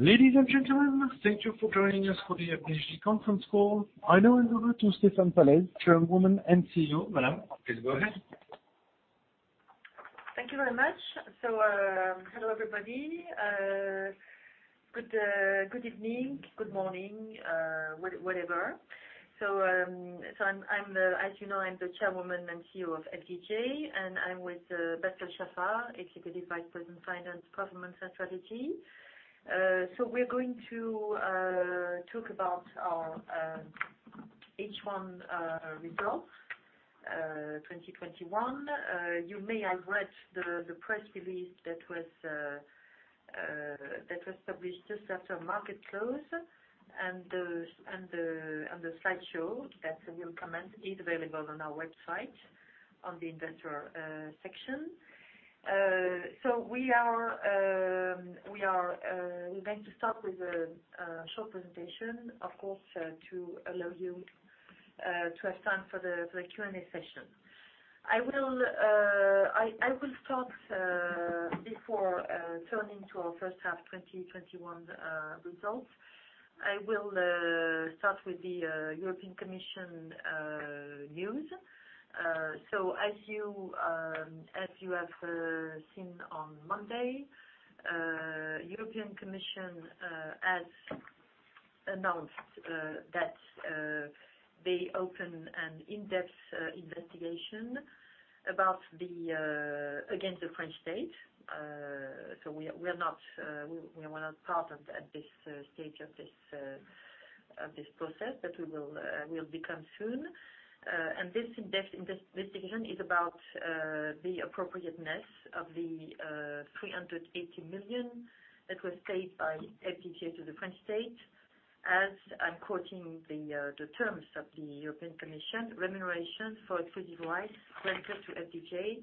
Ladies and gentlemen, thank you for joining us for the FDJ conference call. I now hand over to Stéphane Pallez, Chairwoman and CEO. Madam, please go ahead. Thank you very much. Hello, everybody. Good evening, good morning, whatever. As you know, I'm the Chairwoman and CEO of FDJ, and I'm with Pascal Chaffard, Executive Vice President, Finance, Performance, and Strategy. We're going to talk about our H1 results, 2021. You may have read the press release that was published just after market close, and the slideshow that we'll comment is available on our website on the investor section. We're going to start with a short presentation, of course, to allow you to have time for the Q&A session. I will start before turning to our first half 2021 results. I will start with the European Commission news. As you have seen on Monday, European Commission has announced that they opened an in-depth investigation against the French state. We are not part of that at this stage of this process, but we will become soon. This in-depth investigation is about the appropriateness of the 380 million that was paid by FDJ to the French state as, I'm quoting the terms of the European Commission, Remuneration for exclusive rights granted to FDJ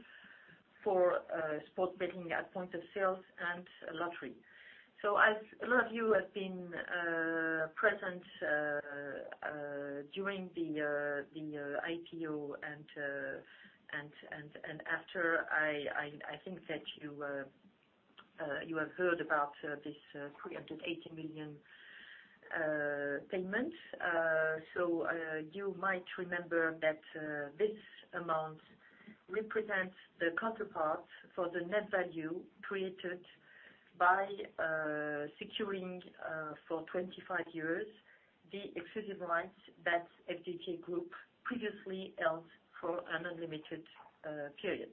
for sports betting at point of sales and lottery. As a lot of you have been present during the IPO and after, I think that you have heard about this 380 million payment. You might remember that this amount represents the counterpart for the net value created by securing for 25 years the exclusive rights that FDJ Group previously held for an unlimited period.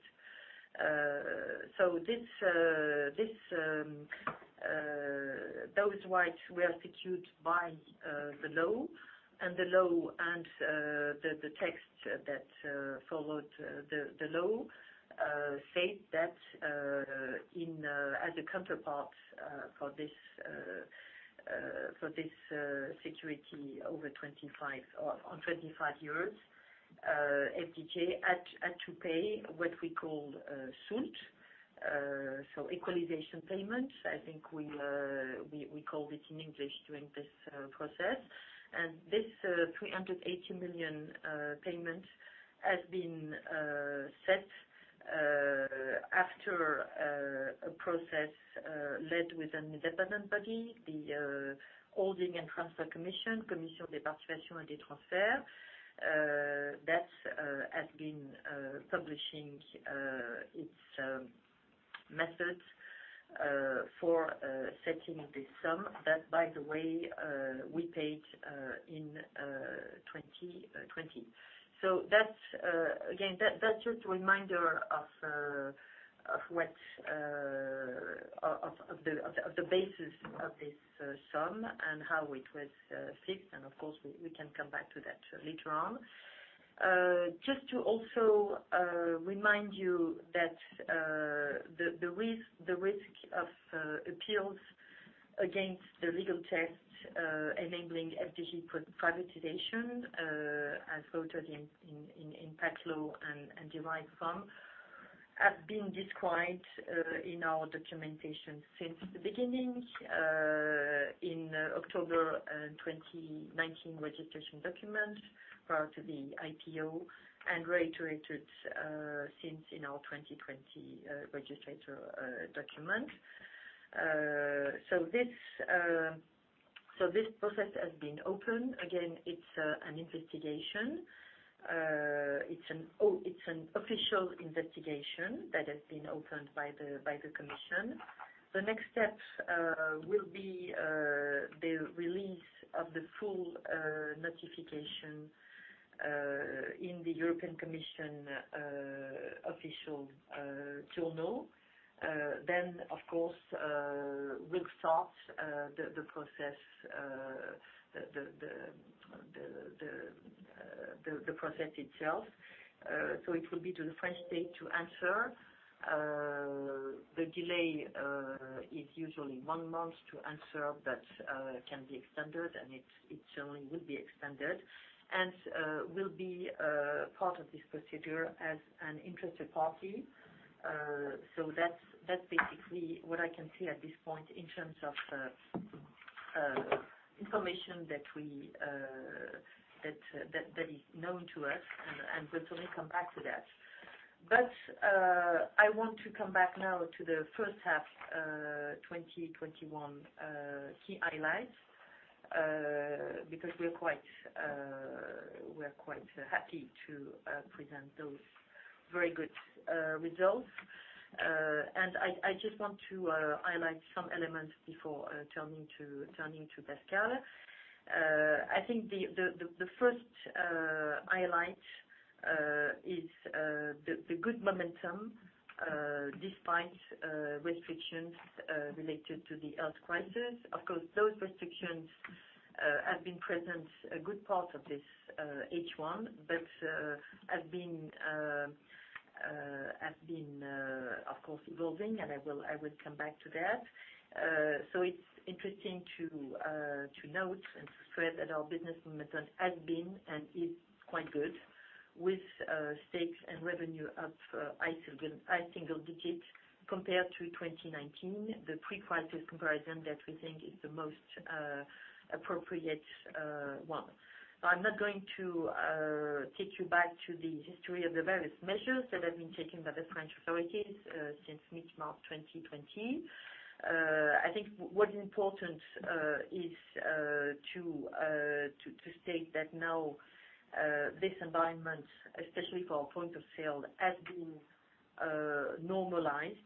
Those rights were secured by the law, and the text that followed the law said that as a counterpart for this security on 25 years, FDJ had to pay what we called soulte, so equalization payment, I think we called it in English during this process. This 380 million payment has been set after a process led with an independent body, the Holdings and Transfers Commission des participations et des transferts, that has been publishing its methods for setting this sum, that by the way, we paid in 2020. Again, that's just a reminder of the basis of this sum and how it was fixed, and of course, we can come back to that later on. To also remind you that the risk of appeals against the legal text enabling FDJ privatization as voted in PACTE law and derived from, have been described in our documentation since the beginning, in October 2019 registration documents prior to the IPO, and reiterated since in our 2020 registration document. This process has been opened. Again, it's an investigation. It's an official investigation that has been opened by the commission. The next step will be the release of the full notification in the European Commission official journal. Of course, we'll start the process itself. It will be to the French state to answer. The delay is usually one month to answer, but can be extended, and it generally will be extended, and we'll be a part of this procedure as an interested party. That's basically what I can say at this point in terms of information that is known to us and we'll certainly come back to that. I want to come back now to the first half 2021 key highlights, because we're quite happy to present those very good results. I just want to highlight some elements before turning to Pascal. I think the first highlight is the good momentum despite restrictions related to the health crisis. Of course, those restrictions have been present a good part of this H1, but have been, of course, evolving, and I will come back to that. It's interesting to note and to stress that our business momentum has been and is quite good, with stakes and revenue up high single-digits compared to 2019, the pre-crisis comparison that we think is the most appropriate one. I'm not going to take you back to the history of the various measures that have been taken by the French authorities since mid-March 2020. I think what is important is to state that now this environment, especially for our point of sale, has been normalized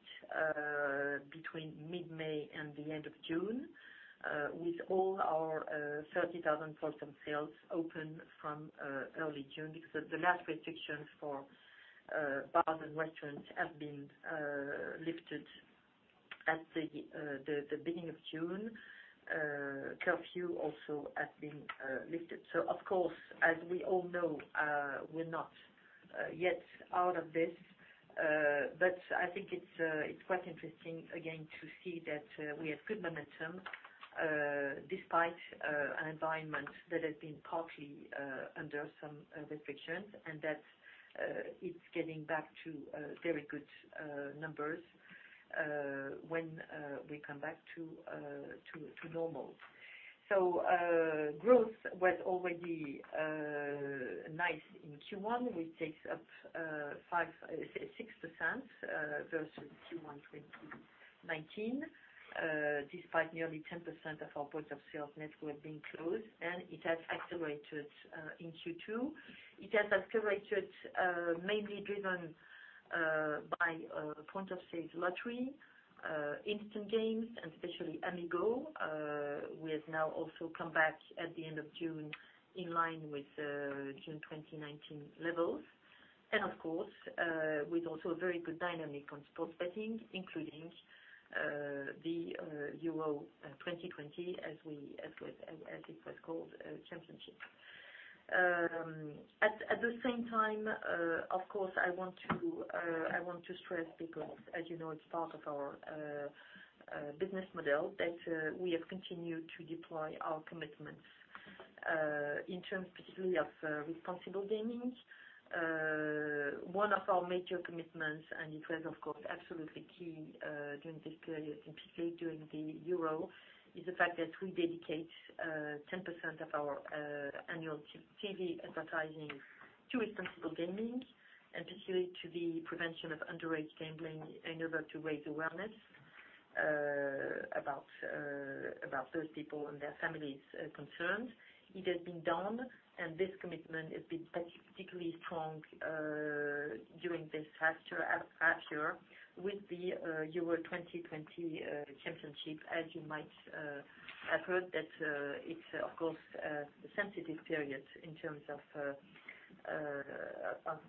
between mid-May and the end of June, with all our 30,000 points of sale open from early June. The last restrictions for bars and restaurants have been lifted at the beginning of June. Curfew also has been lifted. Of course, as we all know, we're not yet out of this. I think it's quite interesting again, to see that we have good momentum despite an environment that has been partly under some restrictions and that it's getting back to very good numbers when we come back to normal. Growth was already nice in Q1, which takes up 6% versus Q1 2019, despite nearly 10% of our points of sales network being closed, and it has accelerated in Q2. It has accelerated, mainly driven by point of sale lottery, instant games, and especially Amigo. We have now also come back at the end of June in line with June 2019 levels. Of course, with also a very good dynamic on sports betting, including the Euro 2020, as it was called, Championship. At the same time, of course, I want to stress, because as you know, it's part of our business model that we have continued to deploy our commitments in terms particularly of responsible gaming. One of our major commitments, and it was of course, absolutely key during this period and particularly during the Euro, is the fact that we dedicate 10% of our annual TV advertising to responsible gaming and particularly to the prevention of underage gambling in order to raise awareness about those people and their families concerned. It has been done, this commitment has been particularly strong during this past year with the Euro 2020 championship. As you might have heard that it's, of course, a sensitive period in terms of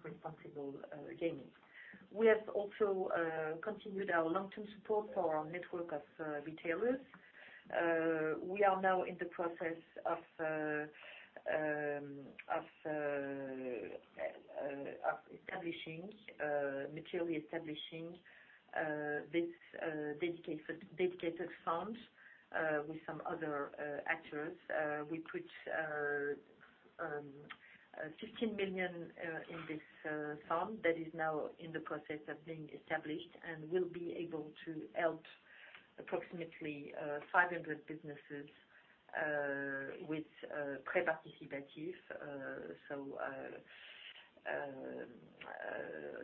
responsible gaming. We have also continued our long-term support for our network of retailers. We are now in the process of materially establishing this dedicated fund with some other actors. We put 15 million in this fund that is now in the process of being established and will be able to help approximately 500 businesses with prêt participatif.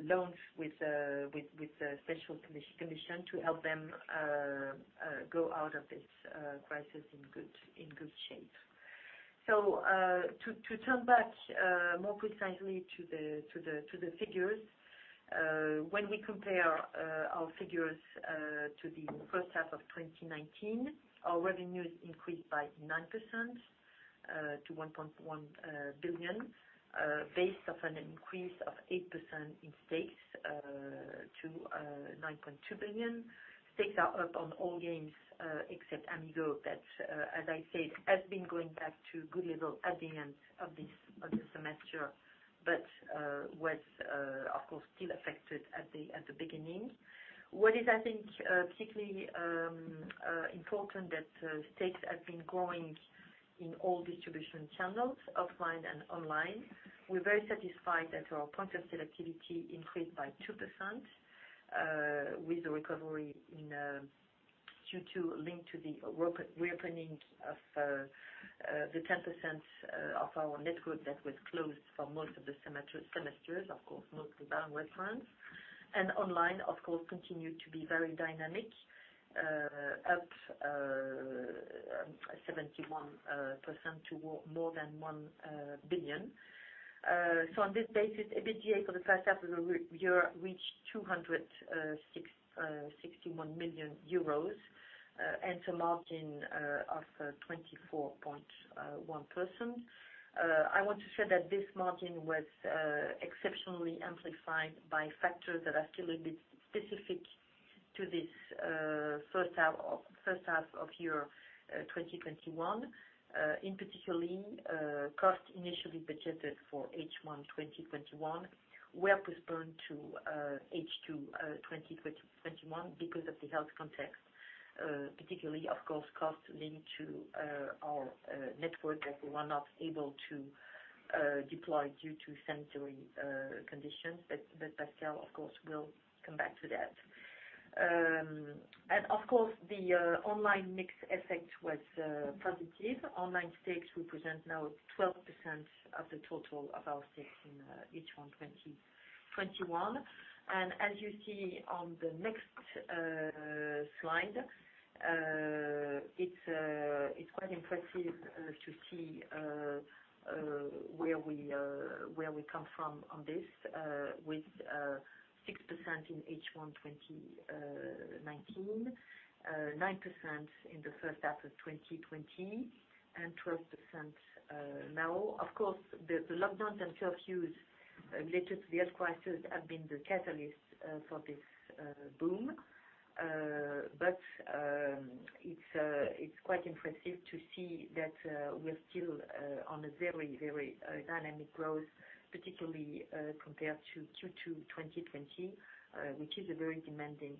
Loans with a special commission to help them go out of this crisis in good shape. To turn back more precisely to the figures, when we compare our figures to the first half of 2019, our revenues increased by 9% to 1.1 billion, based off an increase of 8% in stakes to 9.2 billion. Stakes are up on all games except Amigo. That, as I said, has been going back to good level at the end of the semester. Was, of course, still affected at the beginning. What is, I think, particularly important that stakes have been growing in all distribution channels, offline and online. We're very satisfied that our point of sale activity increased by 2%. With the recovery linked to the reopening of the 10% of our net group that was closed for most of the semesters. Of course, most the bar restaurants. Online, of course, continued to be very dynamic, up 71% to more than 1 billion. On this basis, EBITDA for the first half of the year reached 261 million euros, and to margin of 24.1%. I want to share that this margin was exceptionally amplified by factors that are still a bit specific to this first half of year 2021. In particular, cost initially budgeted for H1 2021 were postponed to H2 2021 because of the health context. Particularly, of course, cost linked to our network that we were not able to deploy due to sanitary conditions. Pascal, of course, will come back to that. Of course, the online mix effect was positive. Online stakes represent now 12% of the total of our stakes in H1 2021. As you see on the next slide, it's quite impressive to see where we come from on this with 6% in H1 2019, 9% in the first half of 2020, and 12% now. Of course, the lockdowns and curfews related to the health crisis have been the catalyst for this boom. It's quite impressive to see that we're still on a very dynamic growth, particularly compared to Q2 2020, which is a very demanding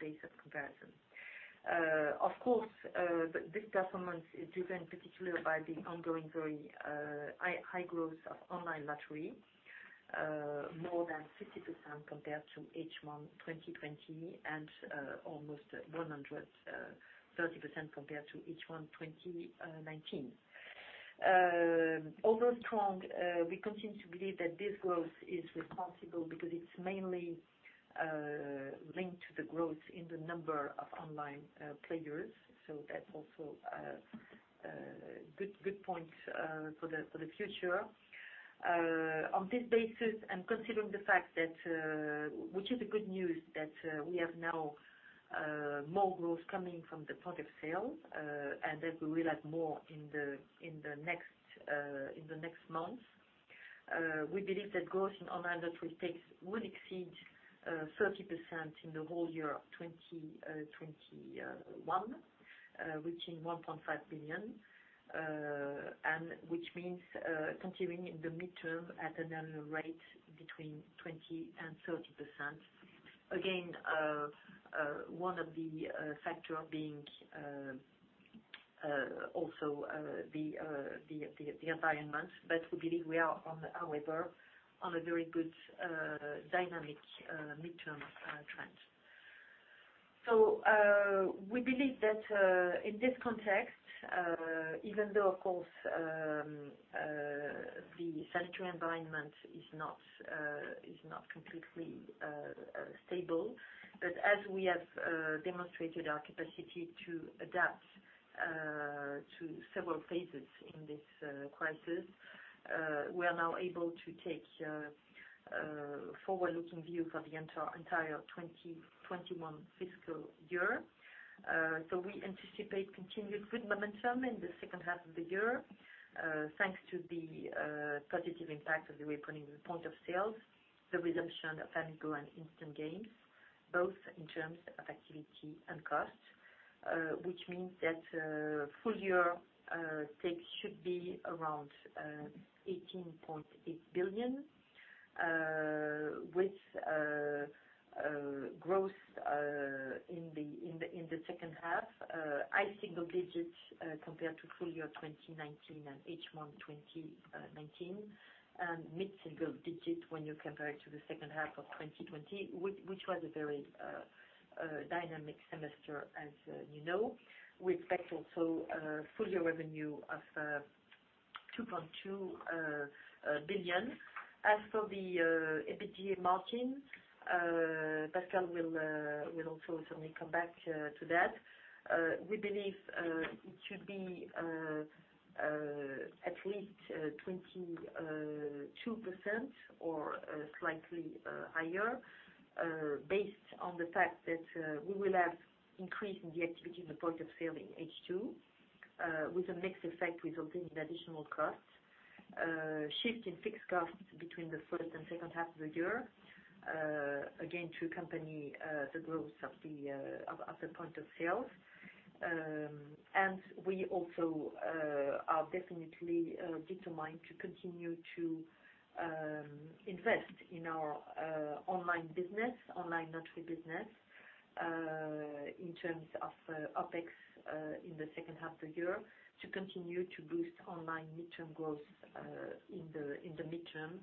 base of comparison. Of course, this performance is driven particularly by the ongoing very high growth of online lottery. More than 50% compared to H1 2020 and almost 130% compared to H1 2019. Although strong, we continue to believe that this growth is responsible because it's mainly linked to the growth in the number of online players. That's also a good point for the future. On this basis and considering the fact that, which is good news, that we have now more growth coming from the point of sale and that we will have more in the next months. We believe that growth in online lottery stakes will exceed 30% in the whole year of 2021, reaching 1.5 billion, and which means continuing in the midterm at an annual rate between 20% and 30%. Again, one of the factor being also the environment. We believe we are on, however, a very good dynamic midterm trend. We believe that in this context, even though, of course, the sanitary environment is not completely stable. As we have demonstrated our capacity to adapt to several phases in this crisis, we are now able to take a forward-looking view for the entire 2021 fiscal year. We anticipate continued good momentum in the second half of the year, thanks to the positive impact of the reopening of the point of sales, the resumption of Amigo and instant games, both in terms of activity and cost, which means that full-year stakes should be around 18.8 billion, with growth in the second half high single-digits compared to full-year 2019 and H1 2019, and mid-single-digit when you compare it to the second half of 2020, which was a very dynamic semester as you know. We expect also full-year revenue of 2.2 billion. As for the EBITDA margin, Pascal will also certainly come back to that. We believe it should be at least 22% or slightly higher based on the fact that we will have increase in the activity in the point of sale in H2 with a mix effect resulting in additional costs. Shift in fixed costs between the first and second half of the year. Again, to accompany the growth at the point of sale. We also are definitely determined to continue to invest in our online lottery business. In terms of OpEx in the second half of the year to continue to boost online midterm growth in the midterm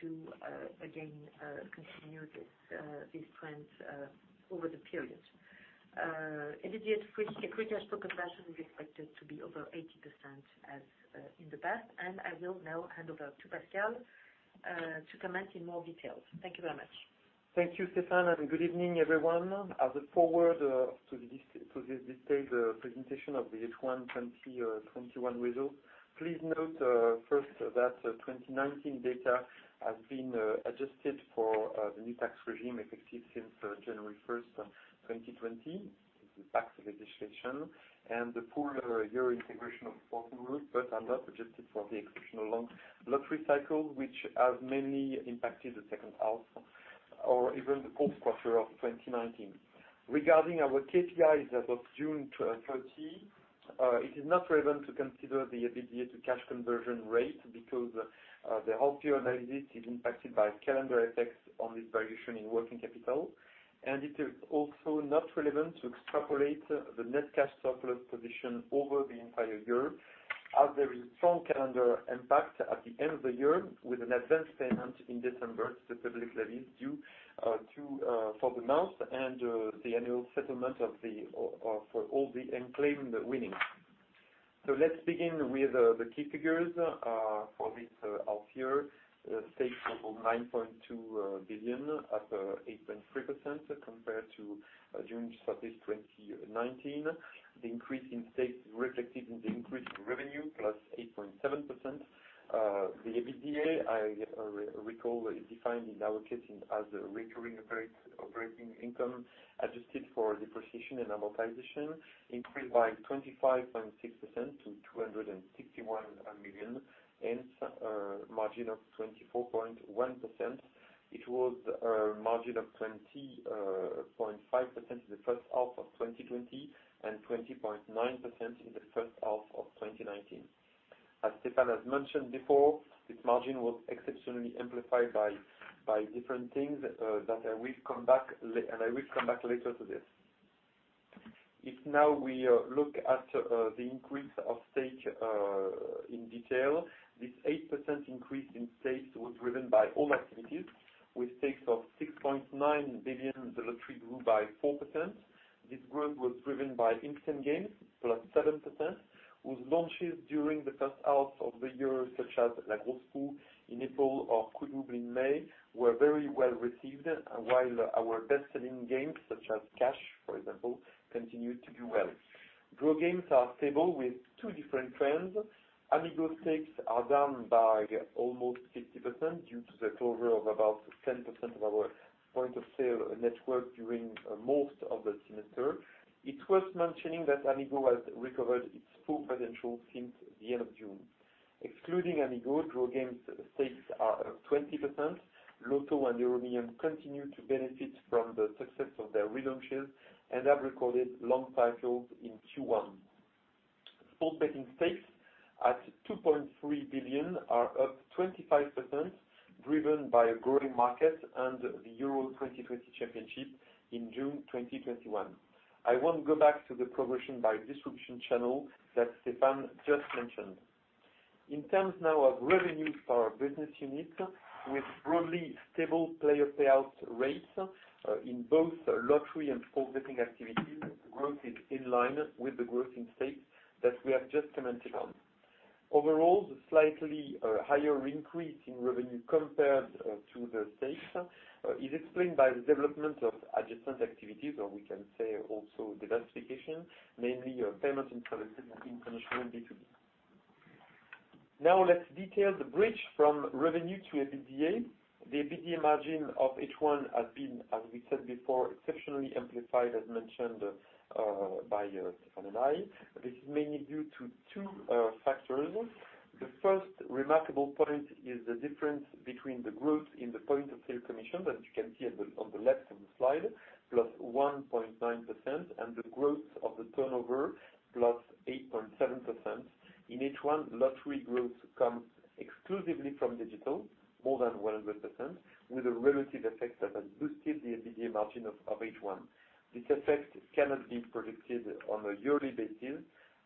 to again continue this trend over the period. EBITDA free cash flow conversion is expected to be over 80% as in the past. I will now hand over to Pascal to comment in more details. Thank you very much. Thank you, Stéphane, and good evening, everyone. As a forward to this detailed presentation of the H1 2021 results. Please note first that 2019 data has been adjusted for the new tax regime effective since January 1st of 2020. It's the tax legislation and the full-year integration of Proximus, but are not adjusted for the exceptional lottery cycle, which has mainly impacted the second half or even the fourth quarter of 2019. Regarding our KPIs as of June 30, it is not relevant to consider the EBITDA to cash conversion rate because the half year analysis is impacted by calendar effects on this variation in working capital. It is also not relevant to extrapolate the net cash surplus position over the entire year, as there is strong calendar impact at the end of the year with an advance payment in December. The public levies due for the month and the annual settlement for all the unclaimed winnings. Let's begin with the key figures for this half year. Stakes of 9.2 billion, up 8.3% compared to June 30th, 2019. The increase in stakes reflected in the increased revenue +8.7%. The EBITDA, I recall, is defined in our case as recurring operating income adjusted for depreciation and amortization, increased by 25.6% to 261 million, and margin of 24.1%. It was a margin of 20.5% in the first half of 2020 and 20.9% in the first half of 2019. As Stéphane has mentioned before, this margin was exceptionally amplified by different things that I will come back later to this. If now we look at the increase of stake in detail. This 8% increase in stakes was driven by all activities with stakes of 6.9 billion. The lottery grew by 4%. This growth was driven by instant games, +7%, whose launches during the first half of the year, such as La Grosse Roue in April or Coup Double in May were very well received. Our best-selling games, such as Cash, for example, continued to do well. Draw games are stable with two different trends. Amigo stakes are down by almost 50% due to the closure of about 10% of our point of sale network during most of the semester. It's worth mentioning that Amigo has recovered its full potential since the end of June. Excluding Amigo, draw games stakes are up 20%. Loto and EuroMillions continue to benefit from the success of their relaunches and have recorded long cycles in Q1. Sports betting stakes at 2.3 billion, are up 25%, driven by a growing market and the Euro 2020 Championship in June 2021. I won't go back to the progression by distribution channel that Stéphane just mentioned. In terms now of revenues for our business unit with broadly stable player payout rates in both lottery and sports betting activities. Growth is in line with the growth in stakes that we have just commented on. Overall, the slightly higher increase in revenue compared to the stakes is explained by the development of adjacent activities, or we can say also diversification, namely payments and services in commission and B2B. Let's detail the bridge from revenue to EBITDA. The EBITDA margin of H1 has been, as we said before, exceptionally amplified as mentioned by Stéphane and I. This is mainly due to two factors. The first remarkable point is the difference between the growth in the point of sale commission that you can see on the left of the slide, +1.9%, and the growth of the turnover +8.7%. In H1, lottery growth comes exclusively from digital, more than 100%, with a relative effect that has boosted the EBITDA margin of H1. This effect cannot be projected on a yearly basis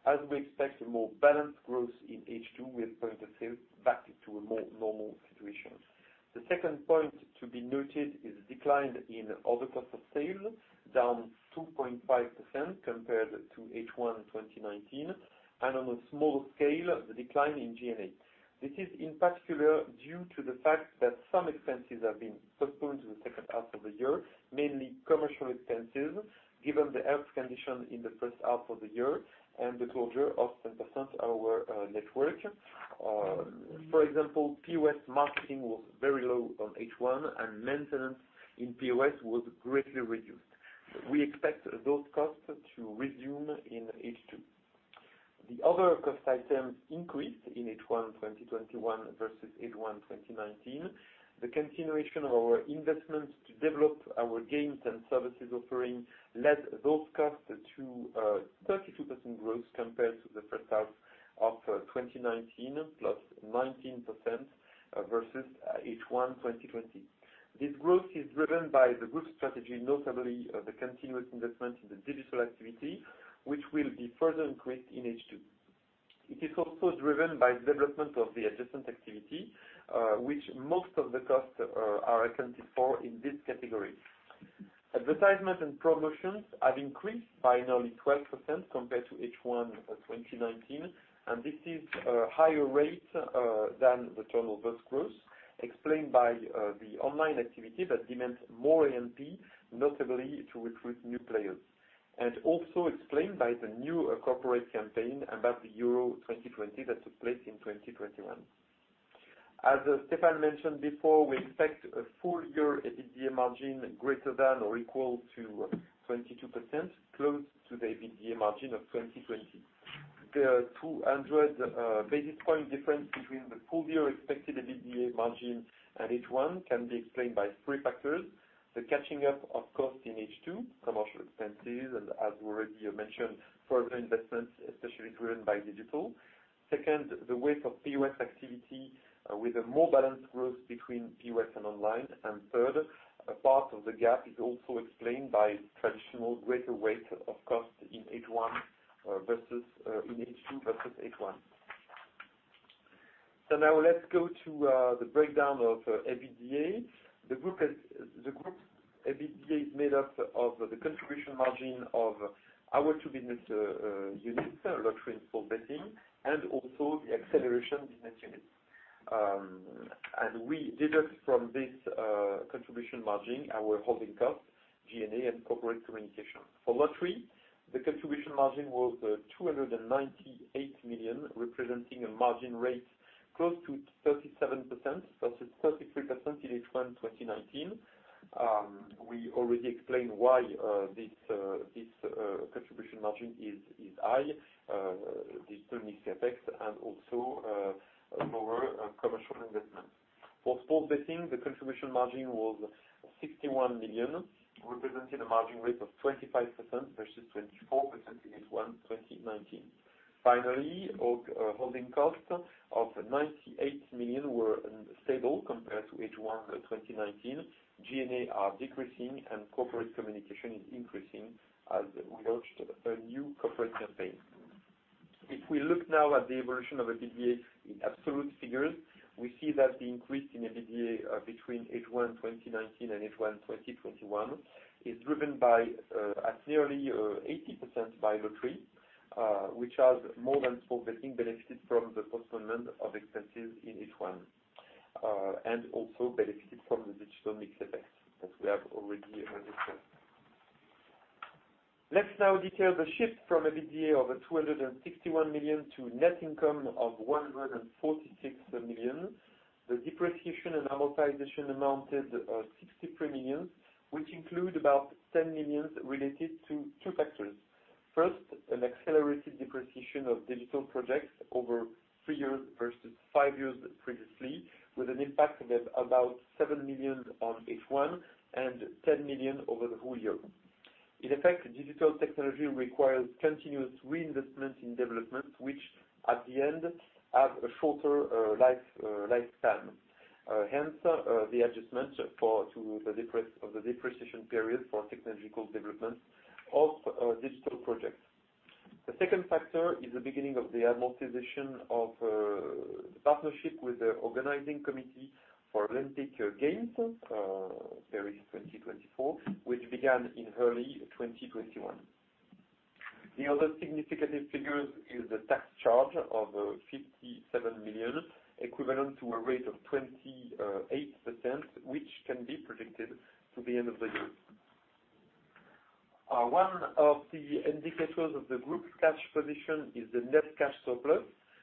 as we expect a more balanced growth in H2 with point of sale back to a more normal situation. The second point to be noted is decline in other cost of sales, -2.5% compared to H1 2019, and on a smaller scale, the decline in G&A. This is in particular due to the fact that some expenses have been postponed to the second half of the year, mainly commercial expenses, given the health condition in the first half of the year and the closure of 10% our network. For example, POS marketing was very low on H1 and maintenance in POS was greatly reduced. We expect those costs to resume in H2. The other cost items increased in H1 2021 versus H1 2019. The continuation of our investments to develop our games and services offering led those costs to a 32% growth compared to the first half of 2019, +19% versus H1 2020. This growth is driven by the group's strategy, notably the continuous investment in the digital activity, which will be further increased in H2. It is also driven by development of the adjacent activity, which most of the costs are accounted for in this category. Advertising and promotions have increased by nearly 12% compared to H1 2019. This is a higher rate than the turnover growth, explained by the online activity that demands more A&P, notably to recruit new players. Also explained by the new corporate campaign about the Euro 2020 that took place in 2021. As Stéphane mentioned before, we expect a full-year EBITDA margin greater than or equal to 22%, close to the EBITDA margin of 2020. The 200 basis point difference between the full-year expected EBITDA margin and H1 can be explained by three factors. The catching up of costs in H2, commercial expenses, as we already mentioned, further investments, especially driven by digital. The weight of POS activity with a more balanced growth between POS and online. A part of the gap is also explained by traditional greater weight of cost in H2 versus H1. Let's go to the breakdown of EBITDA. The group EBITDA is made up of the contribution margin of our two business units, Lottery and Sports Betting, and also the acceleration business unit. We deduct from this contribution margin our holding costs, G&A, and corporate communication. For Lottery, the contribution margin was 298 million, representing a margin rate close to 37% versus 33% in H1 2019. We already explained why this contribution margin is high. Digital mix effect and also lower commercial investment. For Sports Betting, the contribution margin was 61 million, representing a margin rate of 25% versus 24% in H1 2019. Finally, holding costs of 98 million were stable compared to H1 2019. G&A are decreasing. Corporate communication is increasing as we launched a new corporate campaign. If we look now at the evolution of EBITDA in absolute figures, we see that the increase in EBITDA between H1 2019 and H1 2021 is driven by nearly 80% by Lottery, which has more than Sports Betting benefited from the postponement of expenses in H1, also benefited from the digital mix effect that we have already mentioned. Let's now detail the shift from EBITDA of 261 million to net income of 146 million. The depreciation and amortization amounted 63 million, which include about 10 million related to two factors. First, an accelerated depreciation of digital projects over three years versus five years previously, with an impact of about 7 million on H1 and 10 million over the whole year. In effect, digital technology requires continuous reinvestment in development, which at the end have a shorter lifespan. Hence, the adjustment of the depreciation period for technological development of digital projects. The second factor is the beginning of the amortization of the partnership with the organizing committee for Olympic Games Paris 2024, which began in early 2021. The other significant figure is the tax charge of 57 million, equivalent to a rate of 28%, which can be predicted to the end of the year. One of the indicators of the group's cash position is the net cash surplus,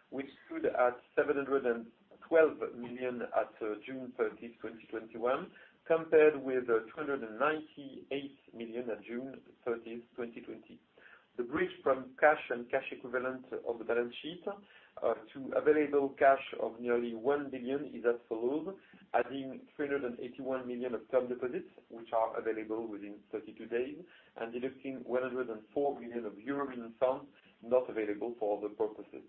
which stood at 712 million at June 30th, 2021, compared with 298 million at June 30th, 2020. The bridge from cash and cash equivalent of the balance sheet to available cash of nearly 1 billion is as follows, adding 381 million of term deposits, which are available within 32 days, and deducting 104 million euro in funds not available for other purposes.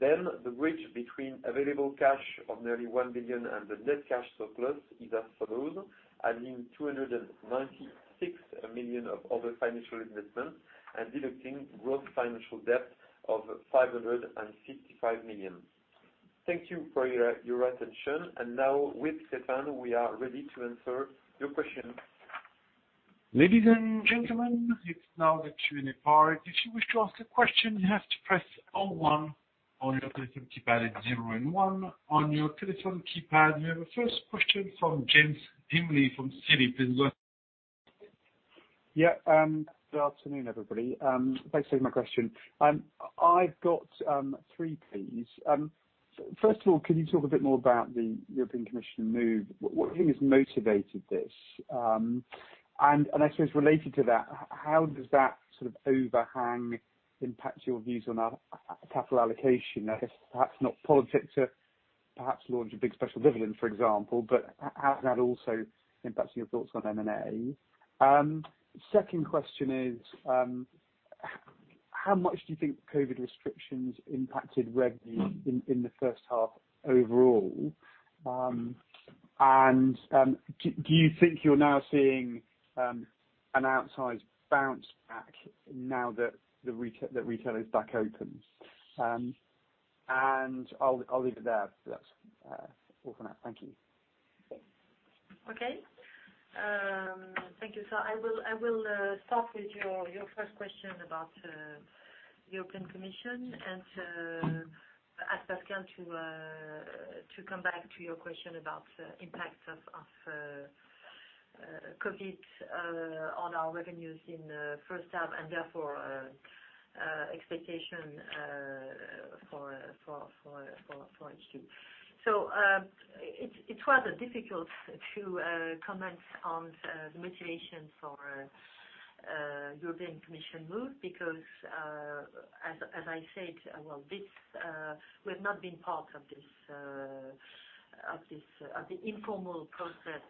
The bridge between available cash of nearly 1 billion and the net cash surplus is as follows, adding 296 million of other financial investments and deducting gross financial debt of 565 million. Thank you for your attention. Now with Stéphane, we are ready to answer your questions. Ladies and gentlemen, it's now the Q&A part. If you wish to ask a question, you have to press zero one on your telephone keypad. Zero and one on your telephone keypad. We have a first question from James Ainley from Citi. Please go ahead. Yeah. Good afternoon, everybody. Thanks for taking my question. I've got three, please. First of all, can you talk a bit more about the European Commission move? What do you think has motivated this? I suppose related to that, how does that sort of overhang impact your views on capital allocation? I guess perhaps not politic to perhaps launch a big special dividend, for example, but how has that also impacted your thoughts on M&A? Second question is, how much do you think COVID restrictions impacted revenue in the first half overall? Do you think you're now seeing an outsized bounce back now that retail is back open? I'll leave it there. That's all for now. Thank you. Okay. Thank you, sir. I will start with your first question about the European Commission and ask Pascal to come back to your question about the impacts of COVID on our revenues in the first half and therefore expectation for H2. It's rather difficult to comment on the motivation for European Commission move because, as I said, we've not been part of the informal process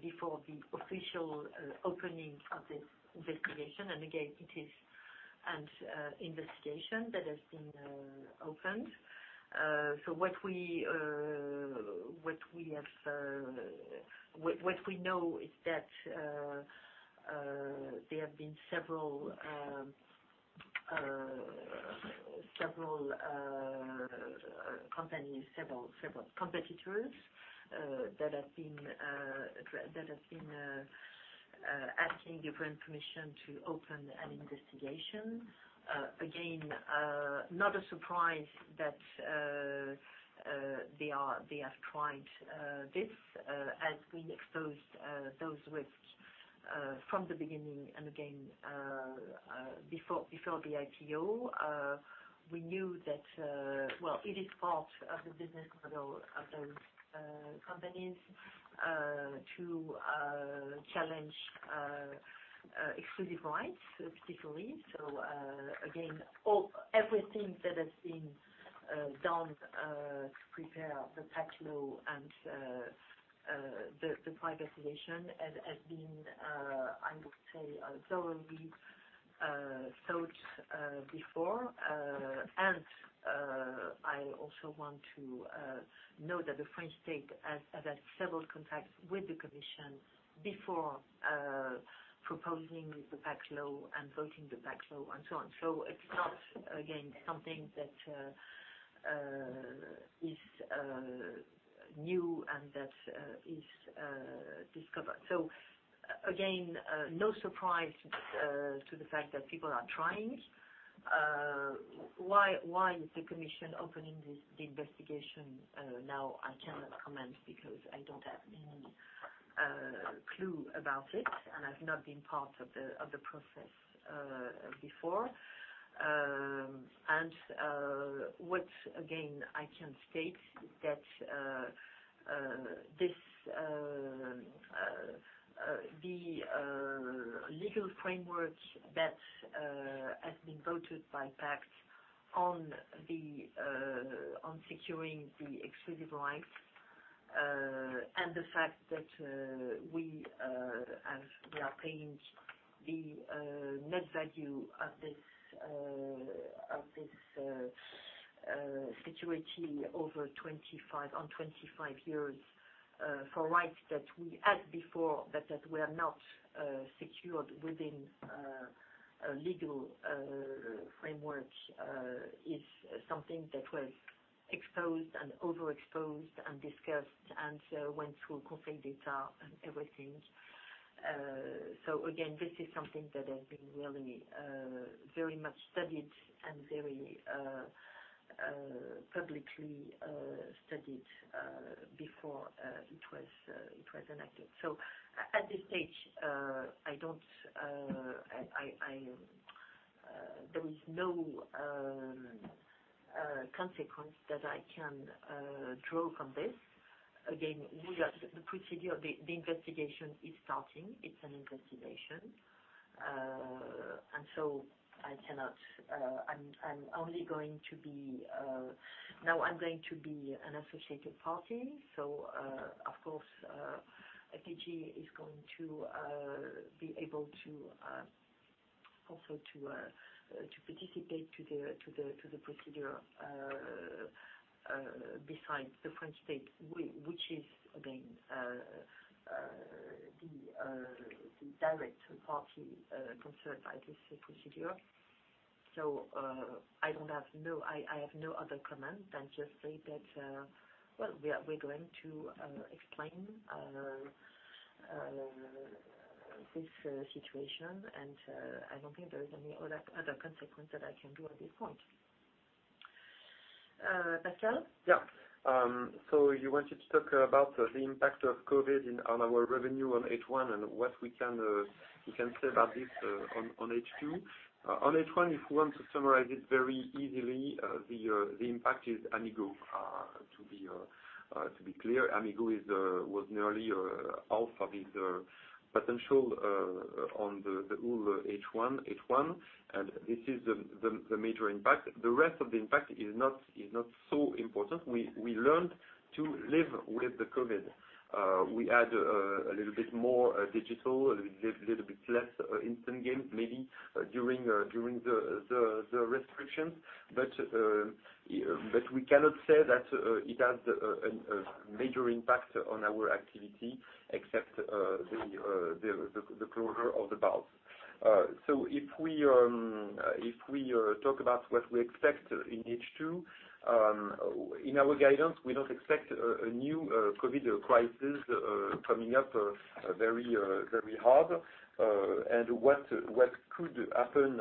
before the official opening of this investigation. Again, it is an investigation that has been opened. What we know is that there have been several companies, several competitors that have been asking different permission to open an investigation. Again, not a surprise that they have tried this as we exposed those risks from the beginning, and again before the IPO. We knew that, well, it is part of the business model of those companies to challenge exclusive rights, particularly. Again, everything that has been done to prepare the PACTE Law and the privatization as has been, I would say, thoroughly thought before. I also want to note that the French state has had several contacts with the Commission before proposing the PACTE Law and voting the PACTE Law, and so on. It's not, again, something that is new and that is discovered. Again, no surprise to the fact that people are trying. Why is the Commission opening the investigation now? I cannot comment because I don't have any clue about it, and I've not been part of the process before. What, again, I can state that the legal framework that has been voted by PACTE on securing the exclusive rights, and the fact that we are paying the net value of this situation on 25 years for rights that we had before but that were not secured within a legal framework is something that was exposed and overexposed and discussed and went through complete data and everything. Again, this is something that has been really very much studied and very publicly studied before it was enacted. At this stage, there is no consequence that I can draw from this. Again, the procedure of the investigation is starting. It's an investigation. I'm only going to be an associated party. Of course, FDJ is going to be able also to participate to the procedure besides the French state, which is again the direct party concerned by this procedure. I have no other comment than just say that we're going to explain this situation, and I don't think there is any other consequence that I can do at this point. Pascal? Yeah. You wanted to talk about the impact of COVID on our revenue on H1 and what we can say about this on H2. On H1, if we want to summarize it very easily, the impact is Amigo. To be clear, Amigo was nearly half of its potential on the whole H1, and this is the major impact. The rest of the impact is not so important. We learned to live with the COVID. We had a little bit more digital, a little bit less instant games, maybe during the restrictions. We cannot say that it has a major impact on our activity except the closure of the bars. If we talk about what we expect in H2, in our guidance, we don't expect a new COVID crisis coming up very hard. What could happen,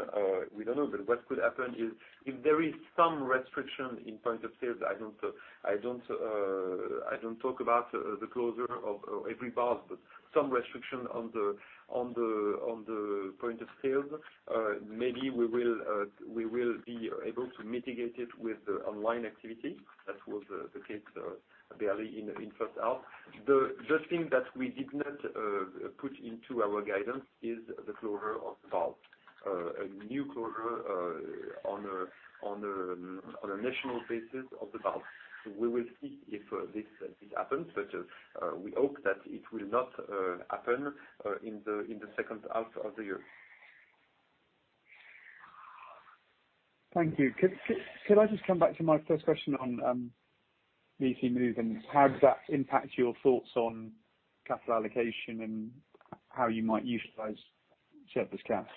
we don't know, but what could happen is, if there is some restriction in point of sales, I don't talk about the closure of every bar, but some restriction on the point of sale, maybe we will be able to mitigate it with the online activity. That was the case barely in first half. The thing that we did not put into our guidance is the closure of the bar. A new closure on a national basis of the bars. We will see if this happens, but we hope that it will not happen in the second half of the year. Thank you. Could I just come back to my first question on EC move and how does that impact your thoughts on capital allocation and how you might utilize surplus cash?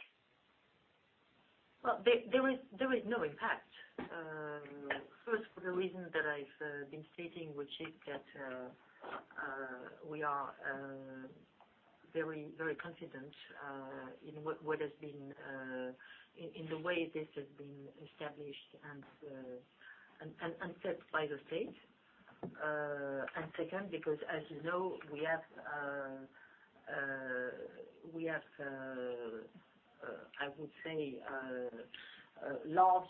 There is no impact. First, for the reason that I’ve been stating, which is that we are very confident in the way this has been established and set by the state. Second, because as you know, we have, I would say, large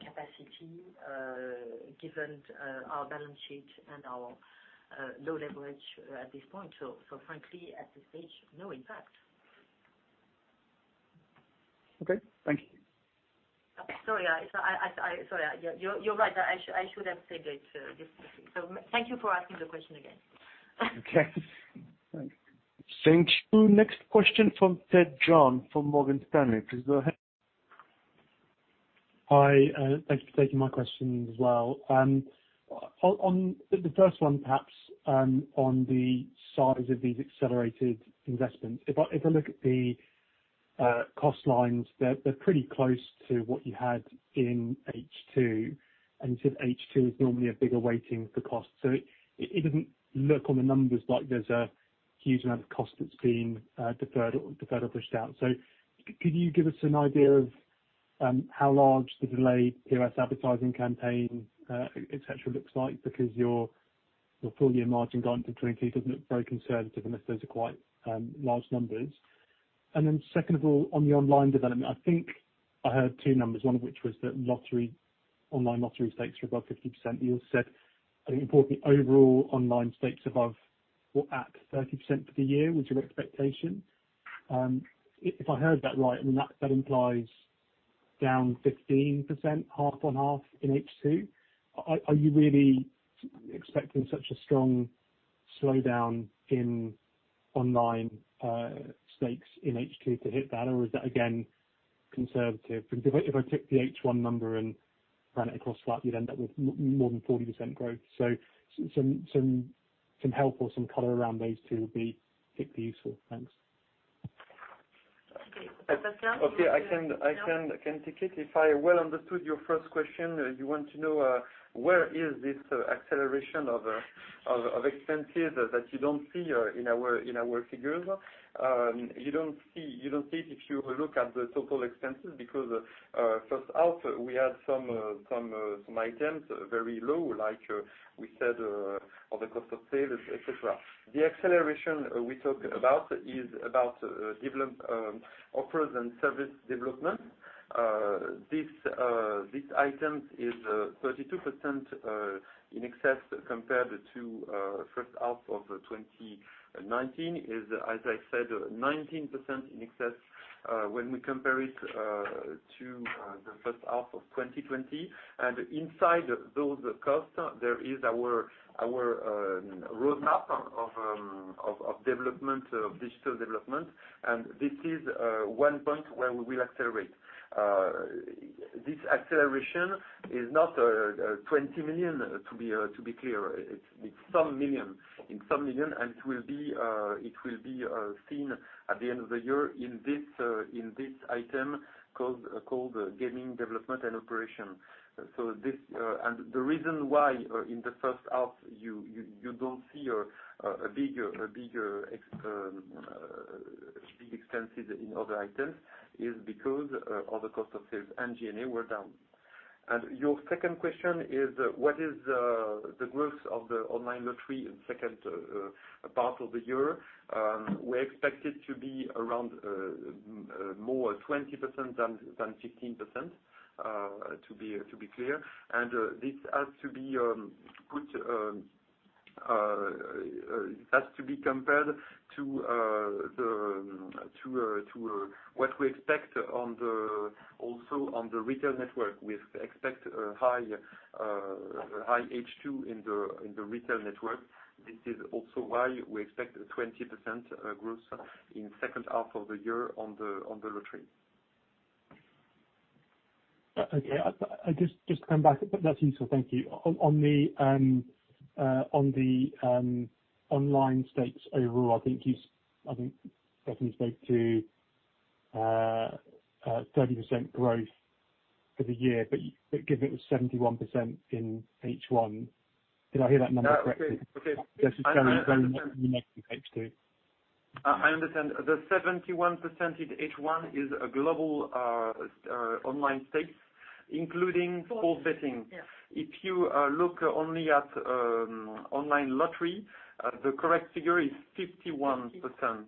capacity given our balance sheet and our low leverage at this point. Frankly, at this stage, no impact. Okay. Thank you. Sorry. You're right. I should have said it. Thank you for asking the question again. Okay. Thanks. Thank you. Next question from Ed Young from Morgan Stanley. Please go ahead. Hi, thank you for taking my question as well. On the first one perhaps, on the size of these accelerated investments. If I look at the cost lines, they're pretty close to what you had in H2. You said H2 is normally a bigger weighting for cost. It doesn't look on the numbers like there's a huge amount of cost that's been deferred or pushed out. Could you give us an idea of how large the delayed POS advertising campaign, et cetera, looks like? Because your full-year margin guidance of 20% doesn't look very conservative unless those are quite large numbers. Second of all, on the online development, I think I heard two numbers. One of which was that online lottery stakes were above 50%. You said, I think you called it the overall online stakes above or at 30% for the year, was your expectation. If I heard that right, that implies down 15%, half on half in H2. Are you really expecting such a strong slowdown in online stakes in H2 to hit that? Or is that, again, conservative? Because if I took the H1 number and ran it across flat, you'd end up with more than 40% growth. Some help or some color around those two would be particularly useful. Thanks. Okay. Pascal? Okay. I can take it. If I well understood your first question, you want to know where is this acceleration of expenses that you don't see in our figures. You don't see it if you look at the total expenses because first half we had some items very low, like we said, other cost of sales, et cetera. The acceleration we talk about is about offers and service development. This item is 32% in excess compared to first half of 2019, is, as I said, 19% in excess when we compare it to the first half of 2020. Inside those costs, there is our roadmap of digital development. This is one point where we will accelerate. This acceleration is not 20 million, to be clear. It's some million. It will be seen at the end of the year in this item called gaming development and operation. The reason why in the first half you don't see big expenses in other items is because other cost of sales and G&A were down. Your second question is what is the growth of the online lottery in second part of the year. We expect it to be around more 20% than 15%, to be clear. That's to be compared to what we expect also on the retail network. We expect a high H2 in the retail network. This is also why we expect a 20% growth in second half of the year on the lottery. Okay. Just to come back. That's useful. Thank you. On the online stakes overall, I think Stéphane spoke to 30% growth for the year, but given it was 71% in H1, did I hear that number correctly? Okay. That's necessarily very much in H2. I understand. The 71% in H1 is a global online stake, including sports betting. Yeah. If you look only at online lottery, the correct figure is 51%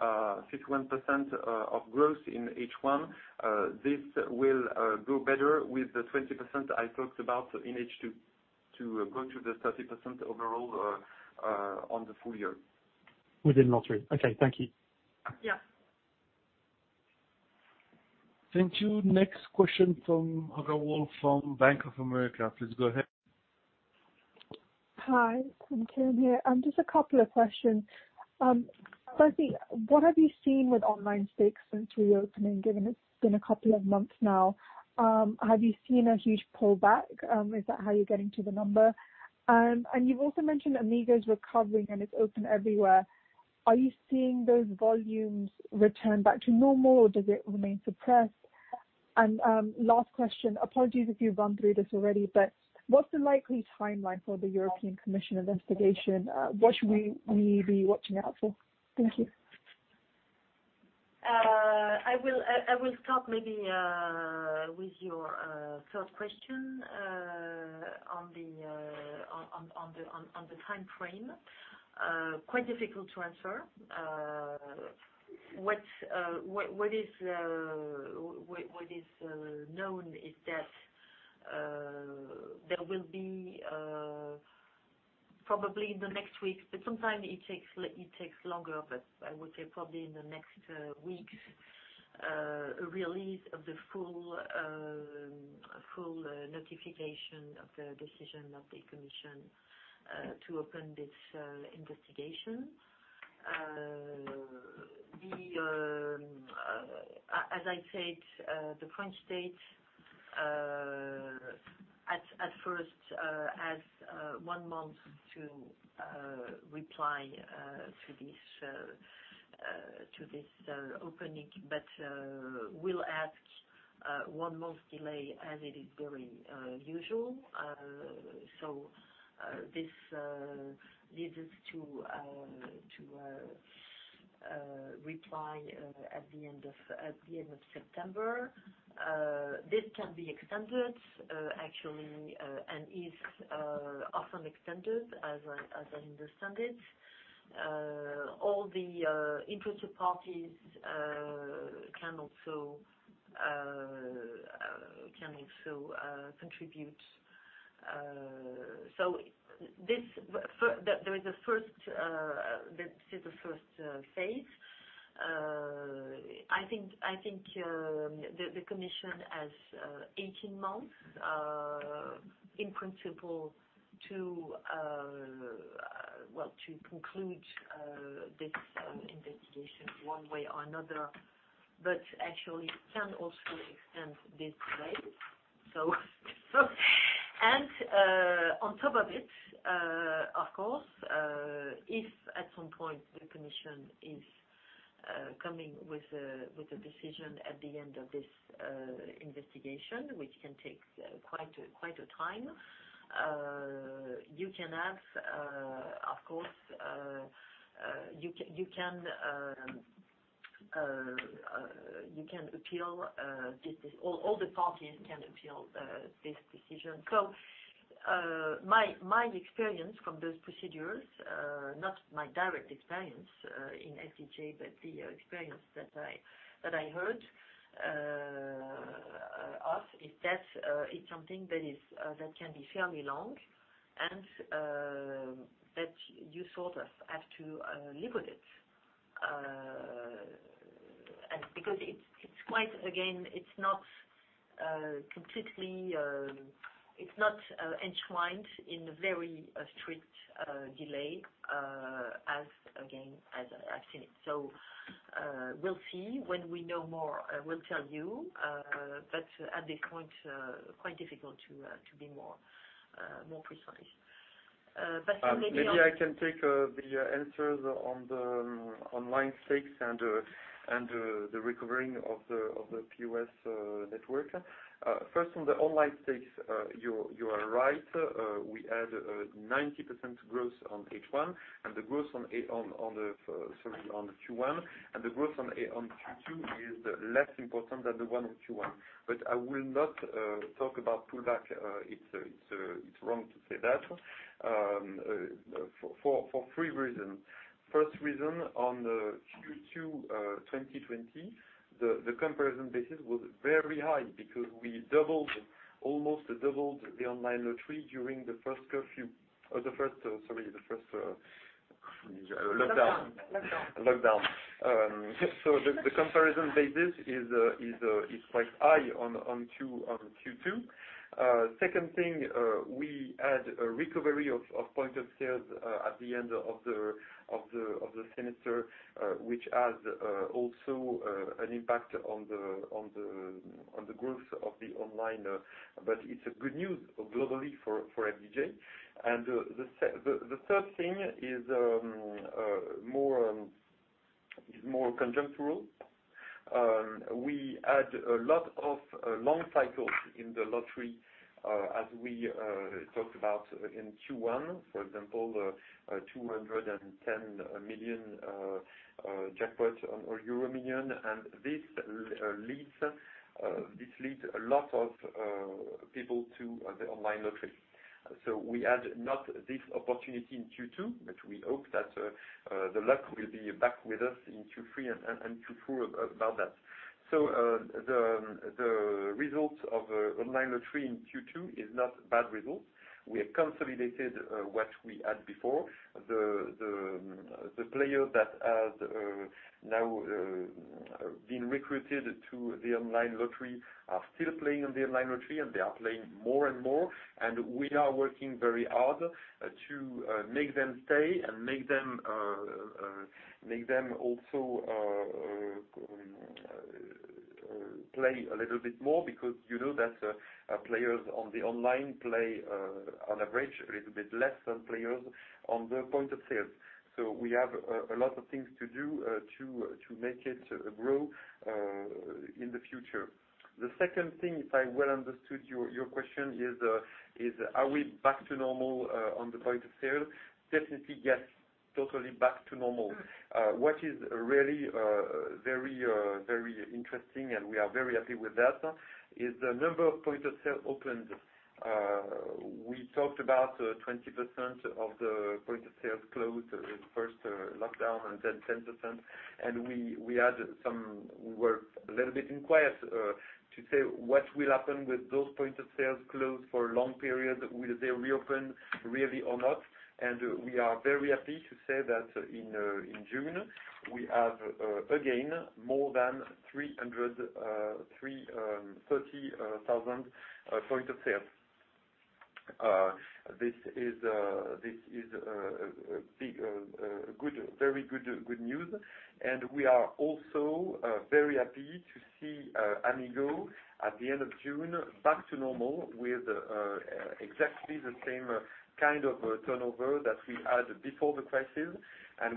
of growth in H1. This will grow better with the 20% I talked about in H2 to go to the 30% overall on the full-year. Within lottery. Okay. Thank you. Yeah. Thank you. Next question from Hagar] Wolf from Bank of America. Please go ahead. Hi, it's Kim here. Just a couple of questions. Firstly, what have you seen with online stakes since reopening, given it's been a couple of months now? Have you seen a huge pullback? Is that how you're getting to the number? You've also mentioned Amigo is recovering, and it's open everywhere. Are you seeing those volumes return back to normal, or does it remain suppressed? Last question, apologies if you've gone through this already, but what's the likely timeline for the European Commission investigation? What should we be watching out for? Thank you. I will start maybe with your third question on the timeframe. Quite difficult to answer. What is known is that there will be probably in the next week, sometimes it takes longer, I would say probably in the next weeks, a release of the full notification of the decision of the Commission to open this investigation. As I said, the French state at first has one month to reply to this opening, will ask one month delay, as it is very usual. This leads us to reply at the end of September. This can be extended, actually, and is often extended, as I understand it. All the interested parties can also contribute. This is the first phase. I think the Commission has 18 months, in principle, to conclude this investigation one way or another. Actually, it can also extend this delay. On top of it, of course, if at some point the commission is coming with a decision at the end of this investigation, which can take quite a time, you can appeal this. All the parties can appeal this decision. My experience from those procedures, not my direct experience in FDJ, but the experience that I heard of is that it's something that can be fairly long and that you sort of have to live with it. Again, it's not enshrined in a very strict delay, again, as I've seen it. We'll see. When we know more, I will tell you. At this point, quite difficult to be more precise. Pascal. Maybe I can take the answers on the online stakes and the recovering of the POS network. First on the online stakes, you are right. We had a 90% growth on H1. The growth on Sorry, on the Q1. The growth on Q2 is less important than the one on Q1. I will not talk about pullback. It's wrong to say that for three reasons. First reason on the Q2 2020, the comparison basis was very high because we almost doubled the online lottery during the first curfew. The first, sorry, the first lockdown. Lockdown. Lockdown. The comparison basis is quite high on Q2. Second thing, we had a recovery of point of sales at the end of the semester, which has also an impact on the growth of the online. It's a good news globally for FDJ. The third thing is more conjunctural. We had a lot of long cycles in the lottery, as we talked about in Q1, for example, 210 million jackpot on EuroMillions. This leads a lot of people to the online lottery. We had not this opportunity in Q2, but we hope that the luck will be back with us in Q3 and Q4 about that. The results of online lottery in Q2 is not bad results. We have consolidated what we had before. The player that has now been recruited to the online lottery are still playing on the online lottery, and they are playing more and more. We are working very hard to make them stay and make them also play a little bit more because you know that players on the online play on average a little bit less than players on the point of sale. We have a lot of things to do to make it grow in the future. The second thing, if I well understood your question is, are we back to normal on the point of sale? Definitely, yes, totally back to normal. What is really very interesting, and we are very happy with that, is the number of point of sale opened. We talked about 20% of the point of sales closed in first lockdown and then 10%. We were a little bit inquired to say what will happen with those point of sales closed for a long period. Will they reopen really or not? We are very happy to say that in June, we have again more than 330,000 point of sale. This is very good news. We are also very happy to see Amigo at the end of June back to normal with exactly the same kind of turnover that we had before the crisis.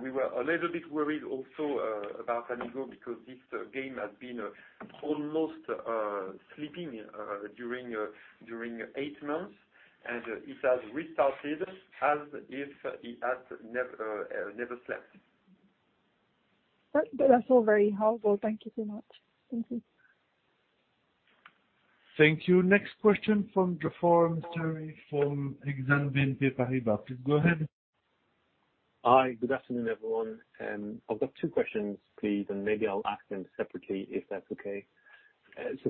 We were a little bit worried also about Amigo because this game has been almost sleeping during eight months, and it has restarted as if it has never slept. That's all very helpful. Thank you so much. Thank you. Thank you. Next question from the forum, Terry, from Exane BNP Paribas. Go ahead. Hi. Good afternoon, everyone. I've got two questions, please, and maybe I'll ask them separately, if that's okay.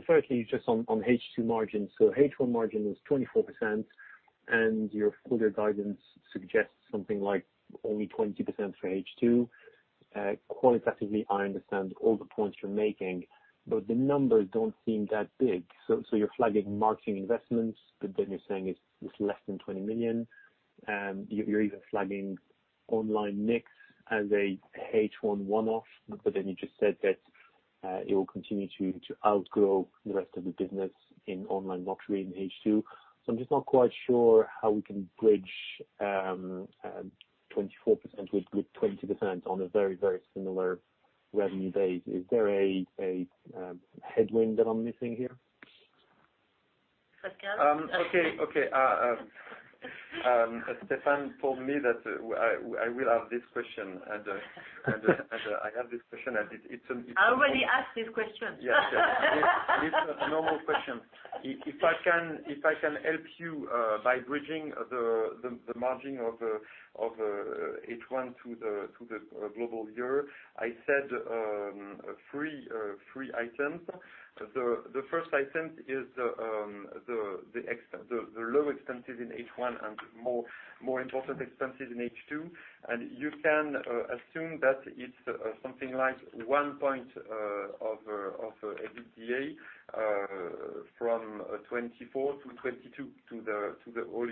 Firstly, just on H2 margin. H1 margin was 24%, and your fuller guidance suggests something like only 20% for H2. Qualitatively, I understand all the points you're making, but the numbers don't seem that big. You're flagging marketing investments, but then you're saying it's less than 20 million. You're either flagging online mix as a H1 one-off, but then you just said that it will continue to outgrow the rest of the business in online lottery in H2. I'm just not quite sure how we can bridge 24% with 20% on a very, very similar revenue base. Is there a headwind that I'm missing here? Pascal? Okay. Stéphane told me that I will have this question. I have this question. I already asked this question. Yes. It's a normal question. If I can help you by bridging the margin of H1 to the global year. I said three items. The first item is the low expenses in H1 and more important expenses in H2. You can assume that it's something like one point of EBITDA from 2024-2022 to the whole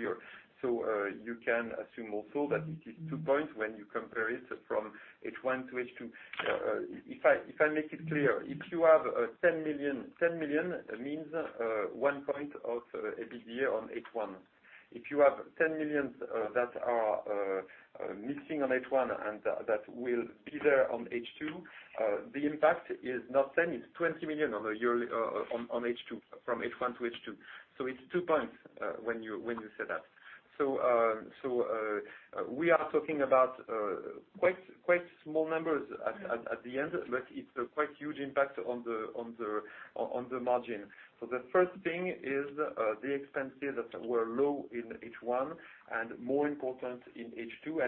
year. You can assume also that it is two points when you compare it from H1-H2. If I make it clear, if you have 10 million, 10 million means one point of EBITDA on H1. If you have 10 million that are missing on H1 and that will be there on H2, the impact is not 10 million, it's 20 million on H2 from H1 to H2. It's two points when you say that. We are talking about quite small numbers at the end, but it's a quite huge impact on the margin. The first thing is the expenses that were low in H1 and more important in H2.